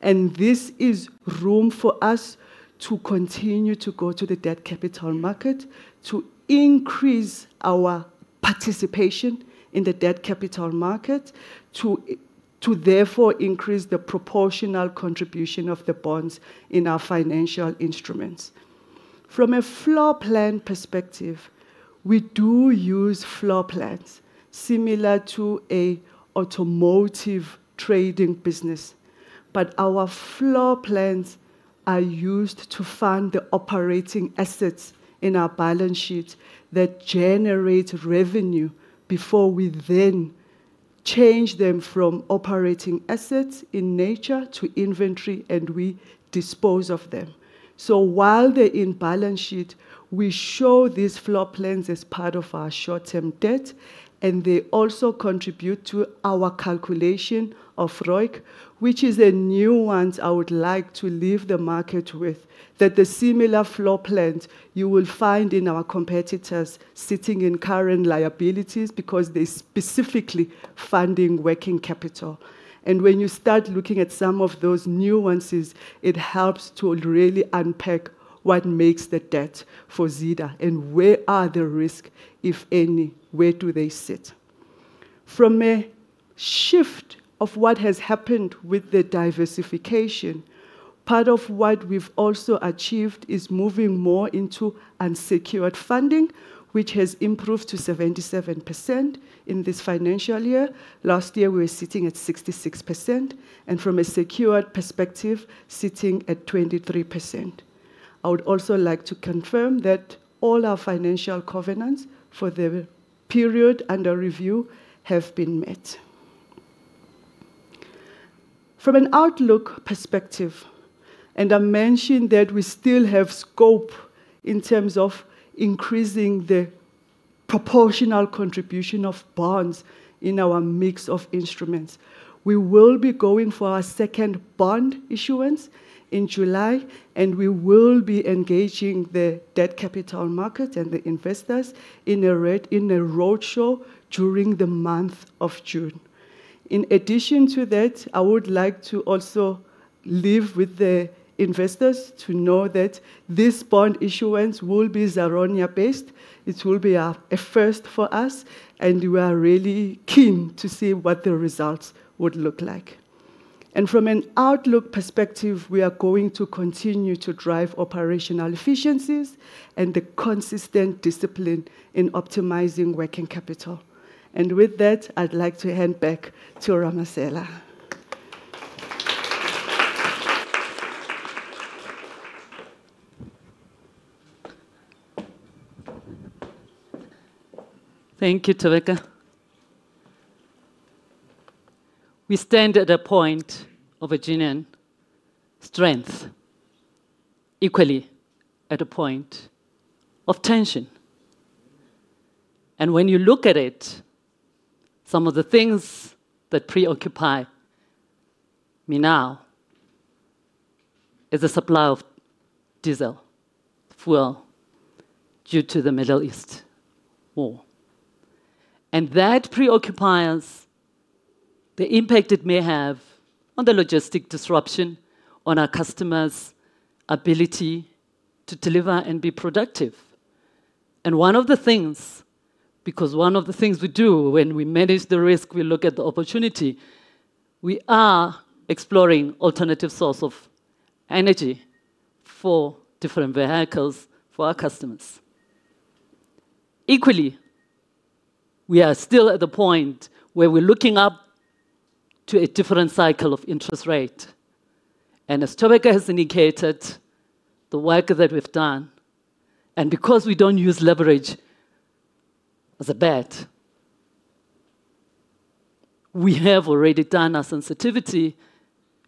This is room for us to continue to go to the debt capital market to increase our participation in the debt capital market, to therefore increase the proportional contribution of the bonds in our financial instruments. From a floor plan perspective, we do use floor plans similar to a automotive trading business. Our floor plans are used to fund the operating assets in our balance sheets that generate revenue before we then change them from operating assets in nature to inventory, and we dispose of them. While they're in balance sheet, we show these floor plans as part of our short-term debt, and they also contribute to our calculation of ROIC, which is a nuance I would like to leave the market with, that the similar floor plans you will find in our competitors sitting in current liabilities because they're specifically funding working capital. When you start looking at some of those nuances, it helps to really unpack what makes the debt for Zeda and where are the risk, if any, where do they sit? From a shift of what has happened with the diversification, part of what we've also achieved is moving more into unsecured funding, which has improved to 77% in this financial year. Last year, we were sitting at 66%, and from a secured perspective, sitting at 23%. I would also like to confirm that all our financial covenants for the period under review have been met. From an outlook perspective, I mentioned that we still have scope in terms of increasing the proportional contribution of bonds in our mix of instruments. We will be going for our second bond issuance in July, and we will be engaging the debt capital market and the investors in a roadshow during the month of June. In addition to that, I would like to also leave with the investors to know that this bond issuance will be ZARONIA based. It will be a first for us, and we are really keen to see what the results would look like. From an outlook perspective, we are going to continue to drive operational efficiencies and the consistent discipline in optimizing working capital. With that, I'd like to hand back to Ramasela. Thank you, Thobeka. We stand at a point of genuine strength, equally at a point of tension. When you look at it, some of the things that preoccupy me now is the supply of diesel fuel due to the Middle East war. That preoccupies the impact it may have on the logistic disruption on our customers' ability to deliver and be productive. Because one of the things we do when we manage the risk, we look at the opportunity, we are exploring alternative source of energy for different vehicles for our customers. Equally, we are still at the point where we're looking up to a different cycle of interest rate. As Thobeka has indicated, the work that we've done, and because we don't use leverage as a bet, we have already done our sensitivity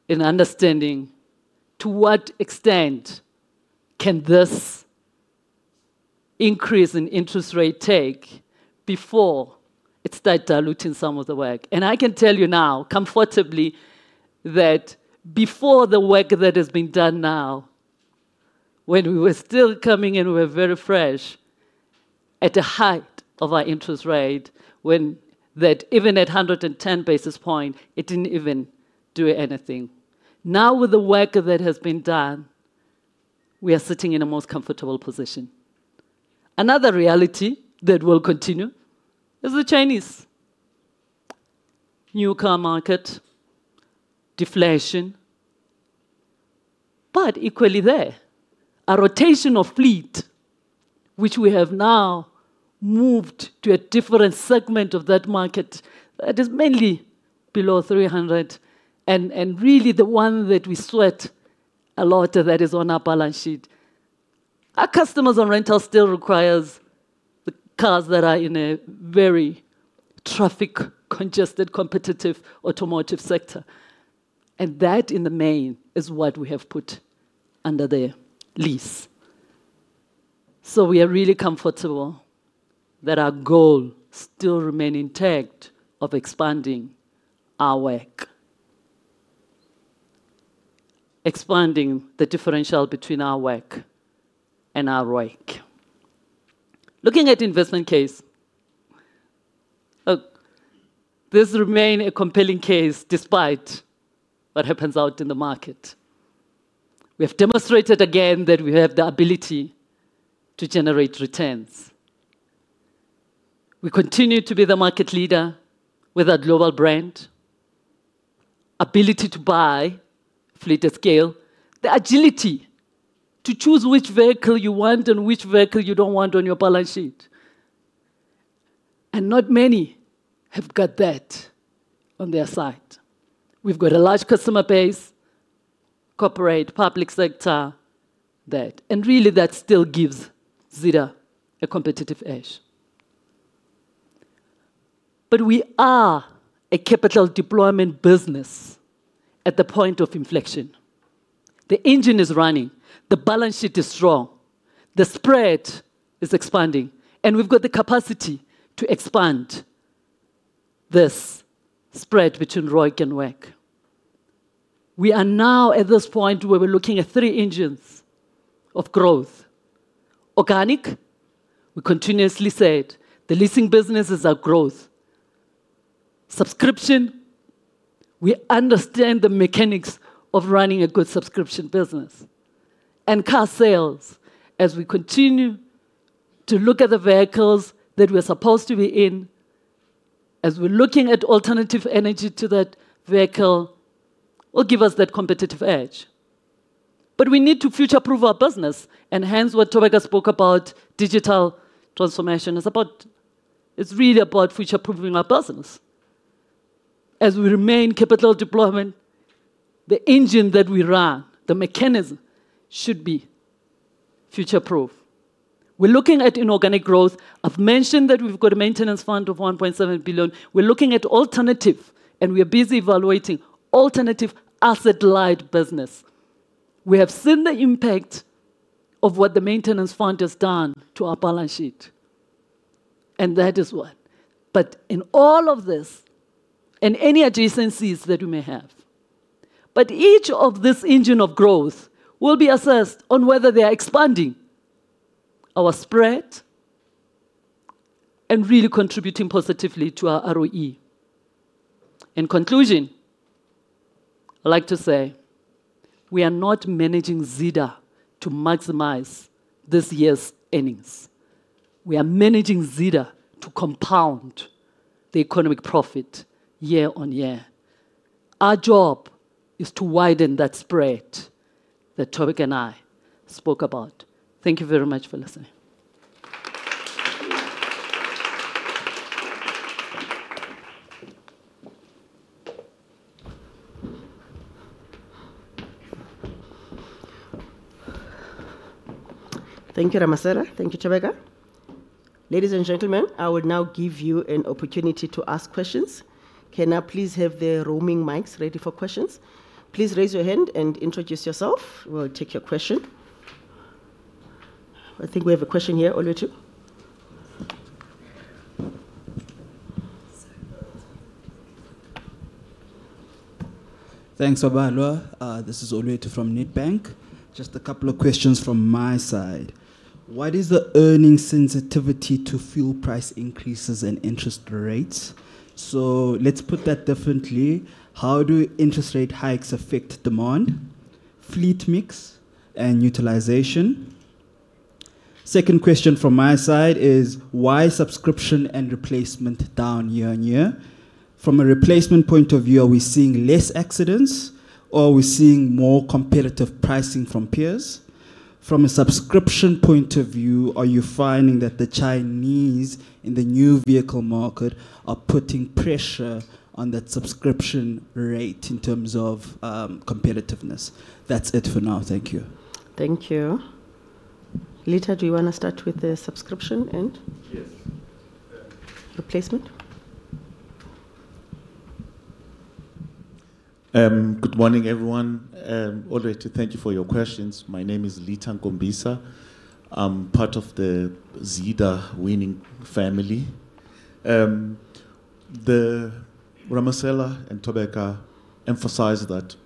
in understanding to what extent can this increase in interest rate take before it start diluting some of the work. I can tell you now comfortably that before the work that has been done now, when we were still coming in, we were very fresh, at the height of our interest rate, when even at 110 basis point, it didn't even do anything. Now with the work that has been done, we are sitting in a most comfortable position. Another reality that will continue is the Chinese new car market deflation. Equally there, a rotation of fleet, which we have now moved to a different segment of that market that is mainly below 300, and really the one that we sweat a lot that is on our balance sheet. Our customers on rental still requires the cars that are in a very traffic congested, competitive automotive sector, and that in the main is what we have put under the lease. We are really comfortable that our goal still remain intact of expanding our WACC. Expanding the differential between our WACC and our ROIC. Looking at investment case, look, this remain a compelling case despite what happens out in the market. We have demonstrated again that we have the ability to generate returns. We continue to be the market leader with our global brand, ability to buy fleet at scale, the agility to choose which vehicle you want and which vehicle you don't want on your balance sheet. Not many have got that on their side. We've got a large customer base, corporate, public sector, that. Really that still gives Zeda a competitive edge. We are a capital deployment business at the point of inflection. The engine is running, the balance sheet is strong, the spread is expanding, and we've got the capacity to expand this spread between ROIC and WACC. We are now at this point where we're looking at three engines of growth. Organic, we continuously said the leasing business is our growth. Subscription, we understand the mechanics of running a good subscription business. Car sales, as we continue to look at the vehicles that we're supposed to be in, as we're looking at alternative energy to that vehicle, will give us that competitive edge. We need to future-proof our business, and hence what Thobeka spoke about digital transformation. It's really about future-proofing our business. As we remain capital deployment, the engine that we run, the mechanism should be future-proof. We're looking at inorganic growth. I've mentioned that we've got a maintenance fund of 1.7 billion. We're looking at alternative, and we are busy evaluating alternative asset-light business. We have seen the impact of what the maintenance fund has done to our balance sheet. In all of this, and any adjacencies that you may have, each of this engine of growth will be assessed on whether they are expanding our spread and really contributing positively to our ROE. In conclusion, I'd like to say, we are not managing Zeda to maximize this year's earnings. We are managing Zeda to compound the economic profit year-on-year. Our job is to widen that spread that Thobeka and I spoke about. Thank you very much for listening. Thank you, Ramasela. Thank you, Thobeka. Ladies and gentlemen, I will now give you an opportunity to ask questions. Can I please have the roaming mics ready for questions? Please raise your hand and introduce yourself. We'll take your question. I think we have a question here, Olwethu. Thanks, Babalwa George. This is Olwethu from Nedbank. A couple of questions from my side. What is the earning sensitivity to fuel price increases and interest rates? Let's put that differently. How do interest rate hikes affect demand, fleet mix, and utilization? Second question from my side is, why subscription and replacement down year-on-year? From a replacement point of view, are we seeing less accidents, or are we seeing more competitive pricing from peers? From a subscription point of view, are you finding that the Chinese in the new vehicle market are putting pressure on that subscription rate in terms of competitiveness? That's it for now. Thank you. Thank you. Litha, do you want to start with the subscription end? Yes. Replacement. Good morning, everyone, and Olwethu, thank you for your questions. My name is Litha Nkombisa. I'm part of the Zeda winning family. Ramasela and Thobeka emphasized that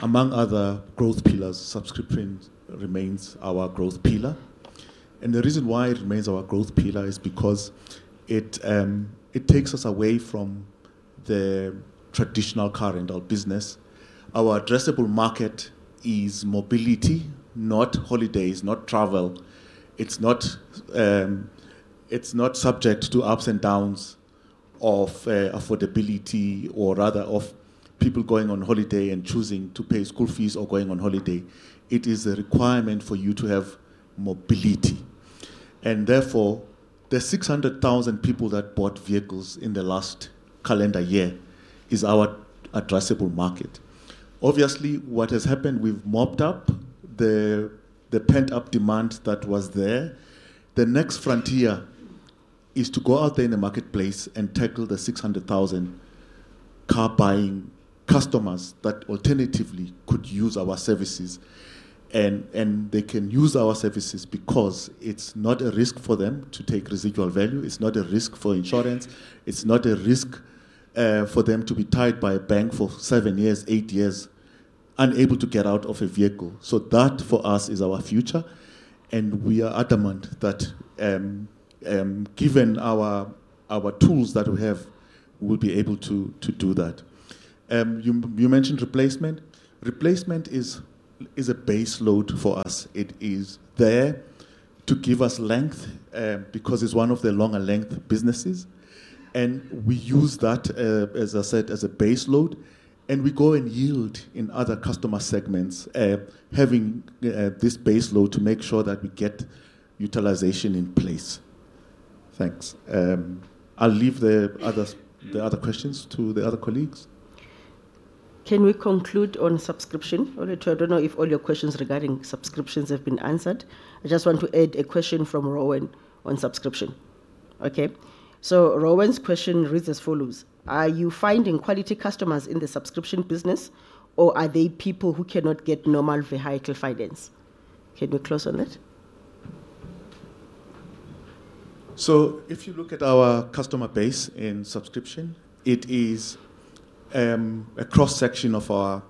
among other growth pillars, subscription remains our growth pillar. The reason why it remains our growth pillar is because it takes us away from the traditional car rental business. Our addressable market is mobility, not holidays, not travel. It's not subject to ups and downs of affordability or rather of people going on holiday and choosing to pay school fees or going on holiday. It is a requirement for you to have mobility. Therefore, the 600,000 people that bought vehicles in the last calendar year is our addressable market. Obviously, what has happened, we've mopped up the pent-up demand that was there. The next frontier is to go out there in the marketplace and tackle the 600,000 car-buying customers that alternatively could use our services. They can use our services because it's not a risk for them to take residual value. It's not a risk for insurance. It's not a risk for them to be tied by a bank for seven years, eight years, unable to get out of a vehicle. That, for us, is our future. We are adamant that, given our tools that we have, we'll be able to do that. You mentioned replacement. Replacement is a base load for us. It is there to give us length because it's one of the longer length businesses. We use that, as I said, as a base load, and we go and yield in other customer segments, having this base load to make sure that we get utilization in place. Thanks. I'll leave the other questions to the other colleagues. Can we conclude on subscription, Olwethu? I don't know if all your questions regarding subscriptions have been answered. I just want to add a question from Rowan on subscription. Rowan's question reads as follows: Are you finding quality customers in the subscription business, or are they people who cannot get normal vehicle finance? Can you close on it? If you look at our customer base in subscription, it is a cross-section of our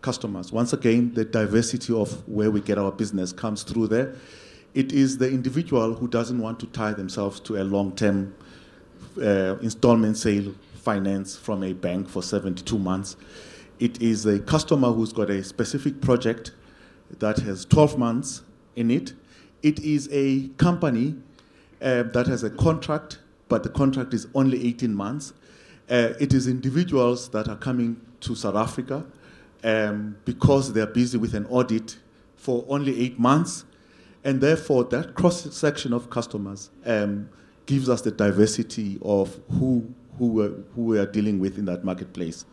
customers. Once again, the diversity of where we get our business comes through there. It is the individual who doesn't want to tie themselves to a long-term installment sale finance from a bank for 72 months. It is a customer who's got a specific project that has 12 months in it. It is a company that has a contract, but the contract is only 18 months. It is individuals that are coming to South Africa because they're busy with an audit for only eight months. Therefore, that cross-section of customers gives us the diversity of who we're dealing with in that marketplace.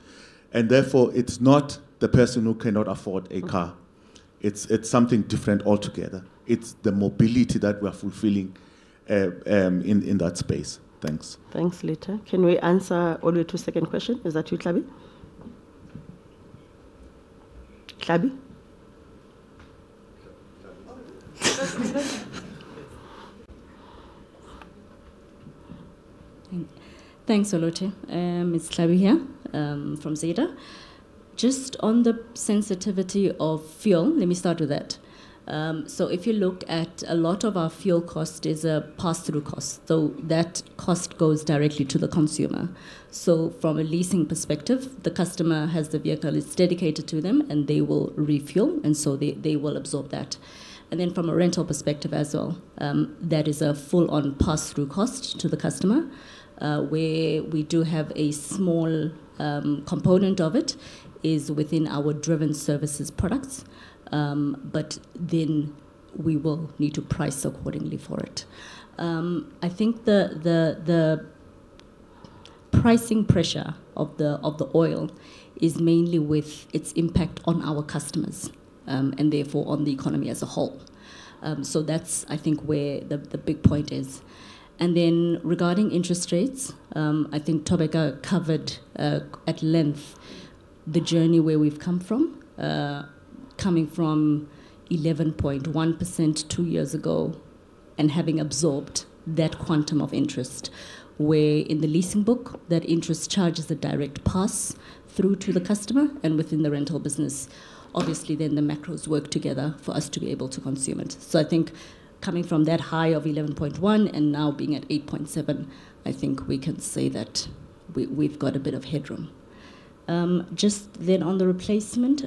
Therefore, it's not the person who cannot afford a car. It's something different altogether. It's the mobility that we're fulfilling in that space. Thanks. Thanks, Litha. Can we answer Olwethu's second question? Is that you, Tlhabi? Tlhabi? Thanks, Olwethu. It's Tlhabi here, from Zeda. Just on the sensitivity of fuel, let me start with that. If you look at a lot of our fuel cost is a pass-through cost, that cost goes directly to the consumer. From a leasing perspective, the customer has the vehicle, it's dedicated to them, they will refuel, they will absorb that. From a rental perspective as well, that is a full-on pass-through cost to the customer, where we do have a small component of it, is within our driven services products. We will need to price accordingly for it. I think the pricing pressure of the oil is mainly with its impact on our customers, and therefore, on the economy as a whole. That's, I think, where the big point is. Regarding interest rates, I think Thobeka covered at length the journey where we've come from. Coming from 11.1% two years ago and having absorbed that quantum of interest, where in the leasing book, that interest charge is a direct pass-through to the customer, and within the rental business, obviously then the macros work together for us to be able to consume it. I think coming from that high of 11.1% and now being at 8.7%, I think we can say that we've got a bit of headroom. On the replacement,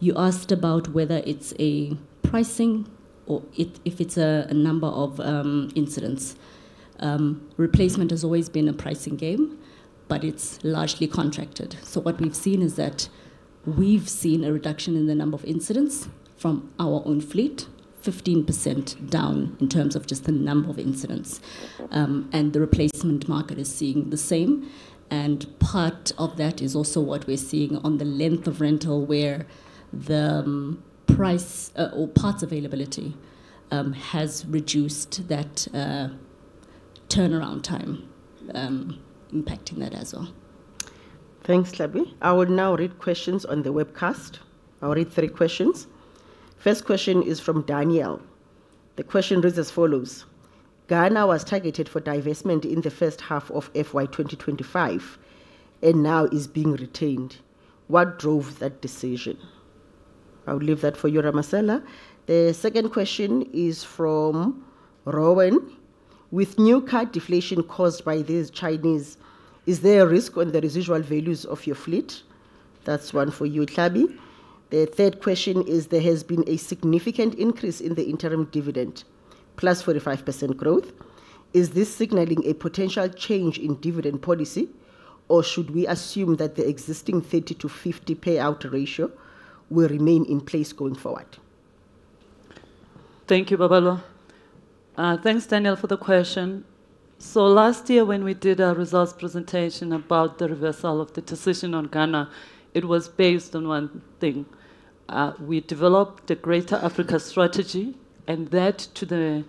you asked about whether it's a pricing or if it's a number of incidents. Replacement has always been a pricing game, but it's largely contracted. What we've seen is that we've seen a reduction in the number of incidents from our own fleet, 15% down in terms of just the number of incidents. The replacement market is seeing the same. Part of that is also what we're seeing on the length of rental, where the price or parts availability has reduced that turnaround time, impacting that as well. Thanks, Tlhabi. I will now read questions on the webcast. I will read three questions. First question is from Daniel. The question reads as follows: Ghana was targeted for divestment in the first half of FY 2025 and now is being retained. What drove that decision? I will leave that for you, Ramasela. The second question is from Rowan. With new car deflation caused by these Chinese, is there a risk on the residual values of your fleet? That is one for you, Tlhabi. The third question is there has been a significant increase in the interim dividend, plus 45% growth. Is this signaling a potential change in dividend policy, or should we assume that the existing 30%-50% payout ratio will remain in place going forward? Thank you, Babalwa. Thanks, Daniel, for the question. Last year when we did our results presentation about the reversal of the decision on Ghana, it was based on one thing. We developed a greater Africa strategy, and that to the,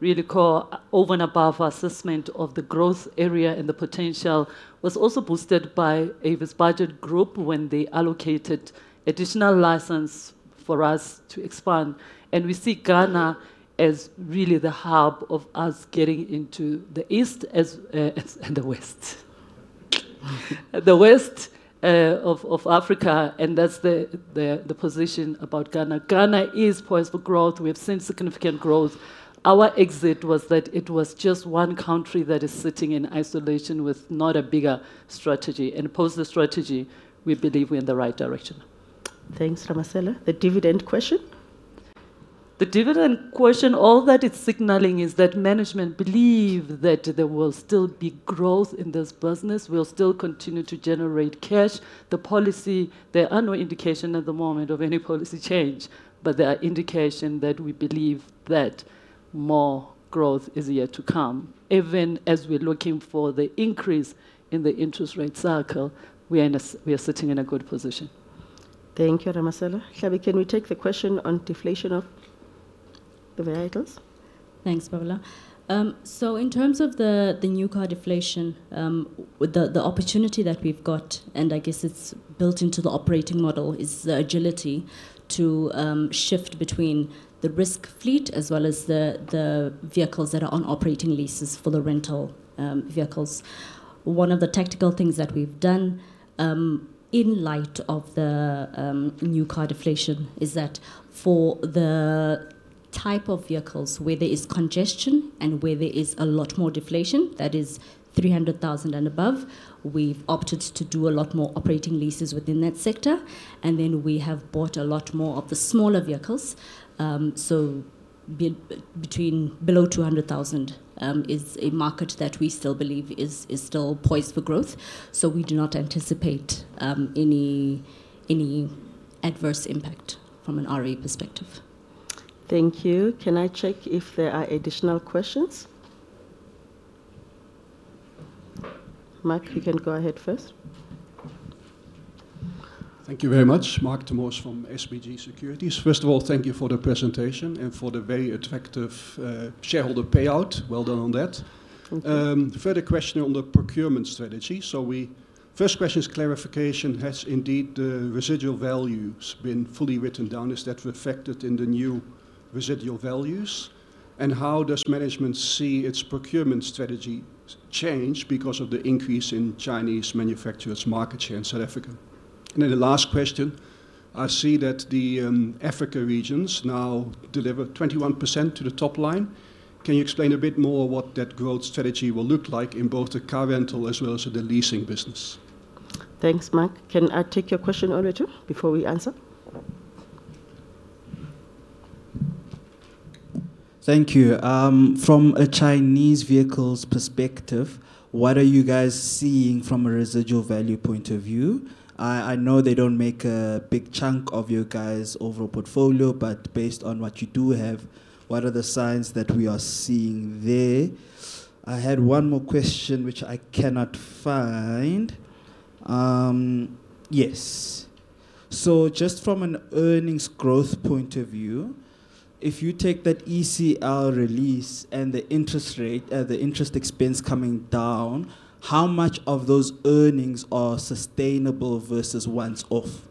we'd call over and above assessment of the growth area and the potential was also boosted by Avis Budget Group when they allocated additional license for us to expand. We see Ghana as really the hub of us getting into the east and the west of Africa, and that's the position about Ghana. Ghana is poised for growth. We've seen significant growth. Our exit was that it was just one country that is sitting in isolation with not a bigger strategy. Post the strategy, we believe we're in the right direction. Thanks, Ramasela. The dividend question? The dividend question, all that it's signaling is that management believe that there will still be growth in this business. We'll still continue to generate cash. There are no indication at the moment of any policy change, but there are indication that we believe that more growth is yet to come. Even as we're looking for the increase in the interest rate cycle, we are sitting in a good position. Thank you, Ramasela. Tlhabi, can we take the question on deflation of the vehicles? Thanks, Babalwa. In terms of the new car deflation, the opportunity that we've got, and I guess it's built into the operating model, is the agility to shift between the risk fleet as well as the vehicles that are on operating leases for the rental vehicles. One of the tactical things that we've done, in light of the new car deflation, is that for the type of vehicles where there is congestion and where there is a lot more deflation, that is 300,000 and above, we've opted to do a lot more operating leases within that sector. We have bought a lot more of the smaller vehicles. Below 200,000, is a market that we still believe is still poised for growth. We do not anticipate any adverse impact from an RV perspective. Thank you. Can I check if there are additional questions? Marc, you can go ahead first. Thank you very much. Marc Ter Mors from SBG Securities. First of all, thank you for the presentation and for the very attractive shareholder payout. Well done on that. Thank you. Further question on the procurement strategy. First question is clarification, has indeed the residual values been fully written down, is that reflected in the new residual values? How does management see its procurement strategy change because of the increase in Chinese manufacturers' market share in South Africa? The last question, I see that the Africa regions now deliver 21% to the top line. Can you explain a bit more what that growth strategy will look like in both the car rental as well as the leasing business? Thanks, Marc. Can I take your question, Olwethu, before we answer? Thank you. From a Chinese vehicles perspective, what are you guys seeing from a residual value point of view? I know they don't make a big chunk of your guys' overall portfolio, but based on what you do have, what are the signs that we are seeing there? I had one more question which I cannot find. Yes. Just from an earnings growth point of view, if you take that ECL release and the interest expense coming down, how much of those earnings are sustainable versus once off?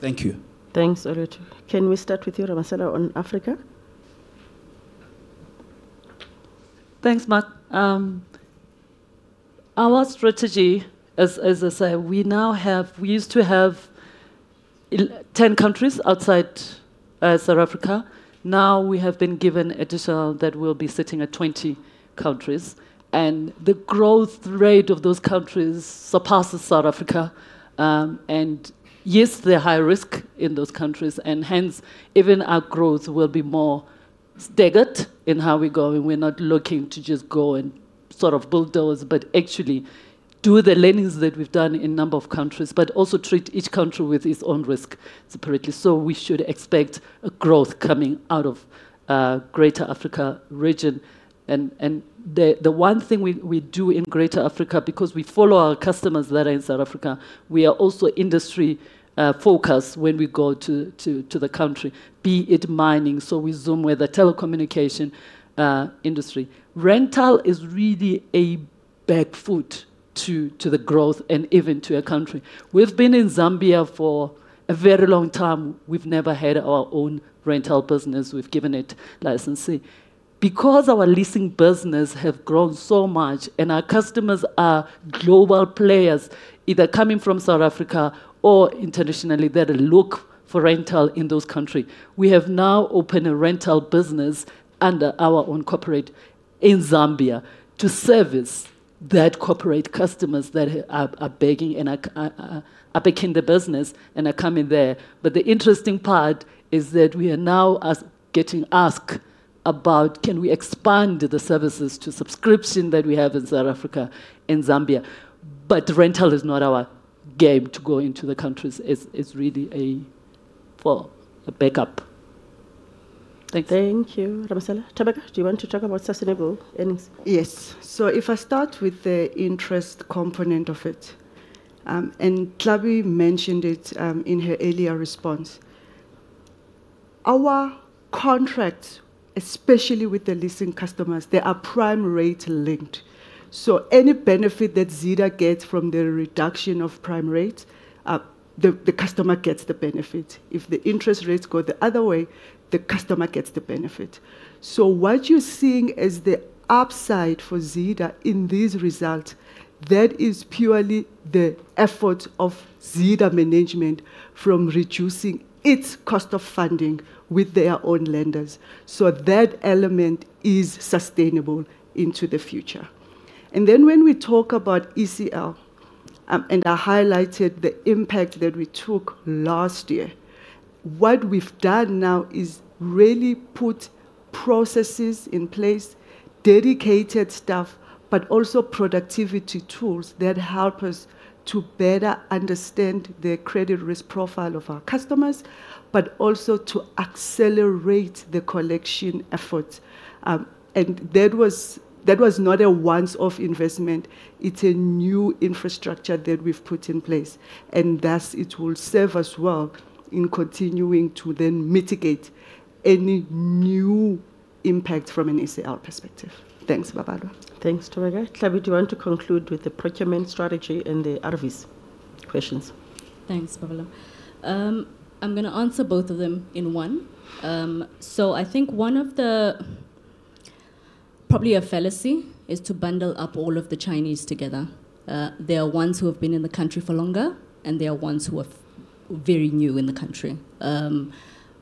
Thank you. Thanks, Olwethu. Can we start with you, Ramasela, on Africa? Thanks, Marc. Our strategy, as I say, we used to have 10 countries outside South Africa. Now we have been given additional that we'll be sitting at 20 countries, the growth rate of those countries surpasses South Africa. Yes, they're high risk in those countries, and hence even our growth will be more staggered in how we're going. We're not looking to just go and build those, but actually do the learnings that we've done in a number of countries, but also treat each country with its own risk separately. We should expect growth coming out of greater Africa region. The one thing we do in greater Africa, because we follow our customers that are in South Africa, we are also industry focused when we go to the country, be it mining, so we zoom with the telecommunication industry. Rental is really a back foot to the growth and even to a country. We've been in Zambia for a very long time. We've never had our own rental business. We've given it licensing. Our leasing business have grown so much and our customers are global players, either coming from South Africa or internationally, that look for rental in those countries. We have now opened a rental business under our own corporate in Zambia to service that corporate customers that are begging and are picking the business and are coming there. The interesting part is that we are now getting asked about can we expand the services to subscription that we have in South Africa and Zambia. Rental is not our game to go into the countries. It's really a backup. Thank you. Thank you, Ramasela. Thobeka, do you want to talk about sustainable earnings? Yes. If I start with the interest component of it, Tlhabi mentioned it in her earlier response. Our contracts, especially with the leasing customers, they are prime rate linked. Any benefit that Zeda gets from the reduction of prime rate, the customer gets the benefit. If the interest rates go the other way, the customer gets the benefit. What you're seeing is the upside for Zeda in these results, that is purely the effort of Zeda management from reducing its cost of funding with their own lenders. That element is sustainable into the future. When we talk about ECL, I highlighted the impact that we took last year. What we've done now is really put processes in place, dedicated staff, but also productivity tools that help us to better understand the credit risk profile of our customers, but also to accelerate the collection effort. That was not a once off investment. It's a new infrastructure that we've put in place, and thus it will serve us well in continuing to then mitigate any new impact from an ECL perspective. Thanks, Thobeka. Tlhabi, do you want to conclude with the procurement strategy and the RVs questions? Thanks, Babalwa. I'm going to answer both of them in one. I think one of the, probably a fallacy, is to bundle up all of the Chinese together. There are ones who have been in the country for longer, and there are ones who are very new in the country.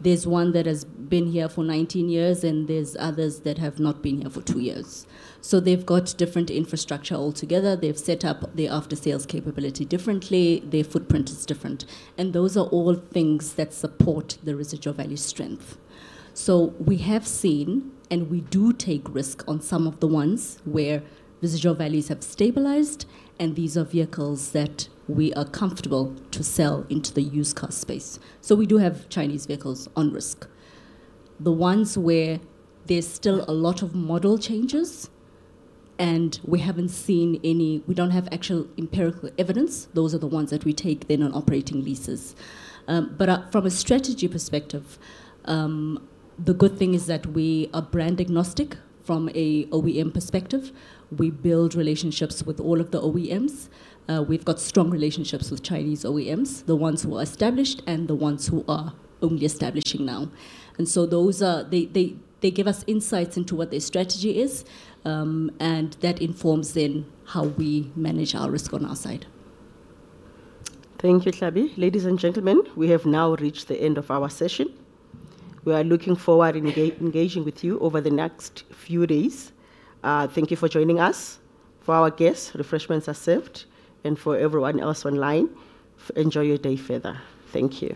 There's one that has been here for 19 years, and there's others that have not been here for two years. They've got different infrastructure altogether. They've set up their after-sales capability differently. Their footprint is different. Those are all things that support the residual value strength. We have seen, and we do take risk on some of the ones where residual values have stabilized, and these are vehicles that we are comfortable to sell into the used car space. We do have Chinese vehicles on risk. The ones where there's still a lot of model changes, and we don't have actual empirical evidence, those are the ones that we take in on operating leases. From a strategy perspective, the good thing is that we are brand agnostic from a OEM perspective. We build relationships with all of the OEMs. We've got strong relationships with Chinese OEMs, the ones who are established and the ones who are only establishing now. They give us insights into what their strategy is, and that informs then how we manage our risk on our side. Thank you, Tlhabi. Ladies and gentlemen, we have now reached the end of our session. We are looking forward engaging with you over the next few days. Thank you for joining us. For our guests, refreshments are served, and for everyone else online, enjoy your day further. Thank you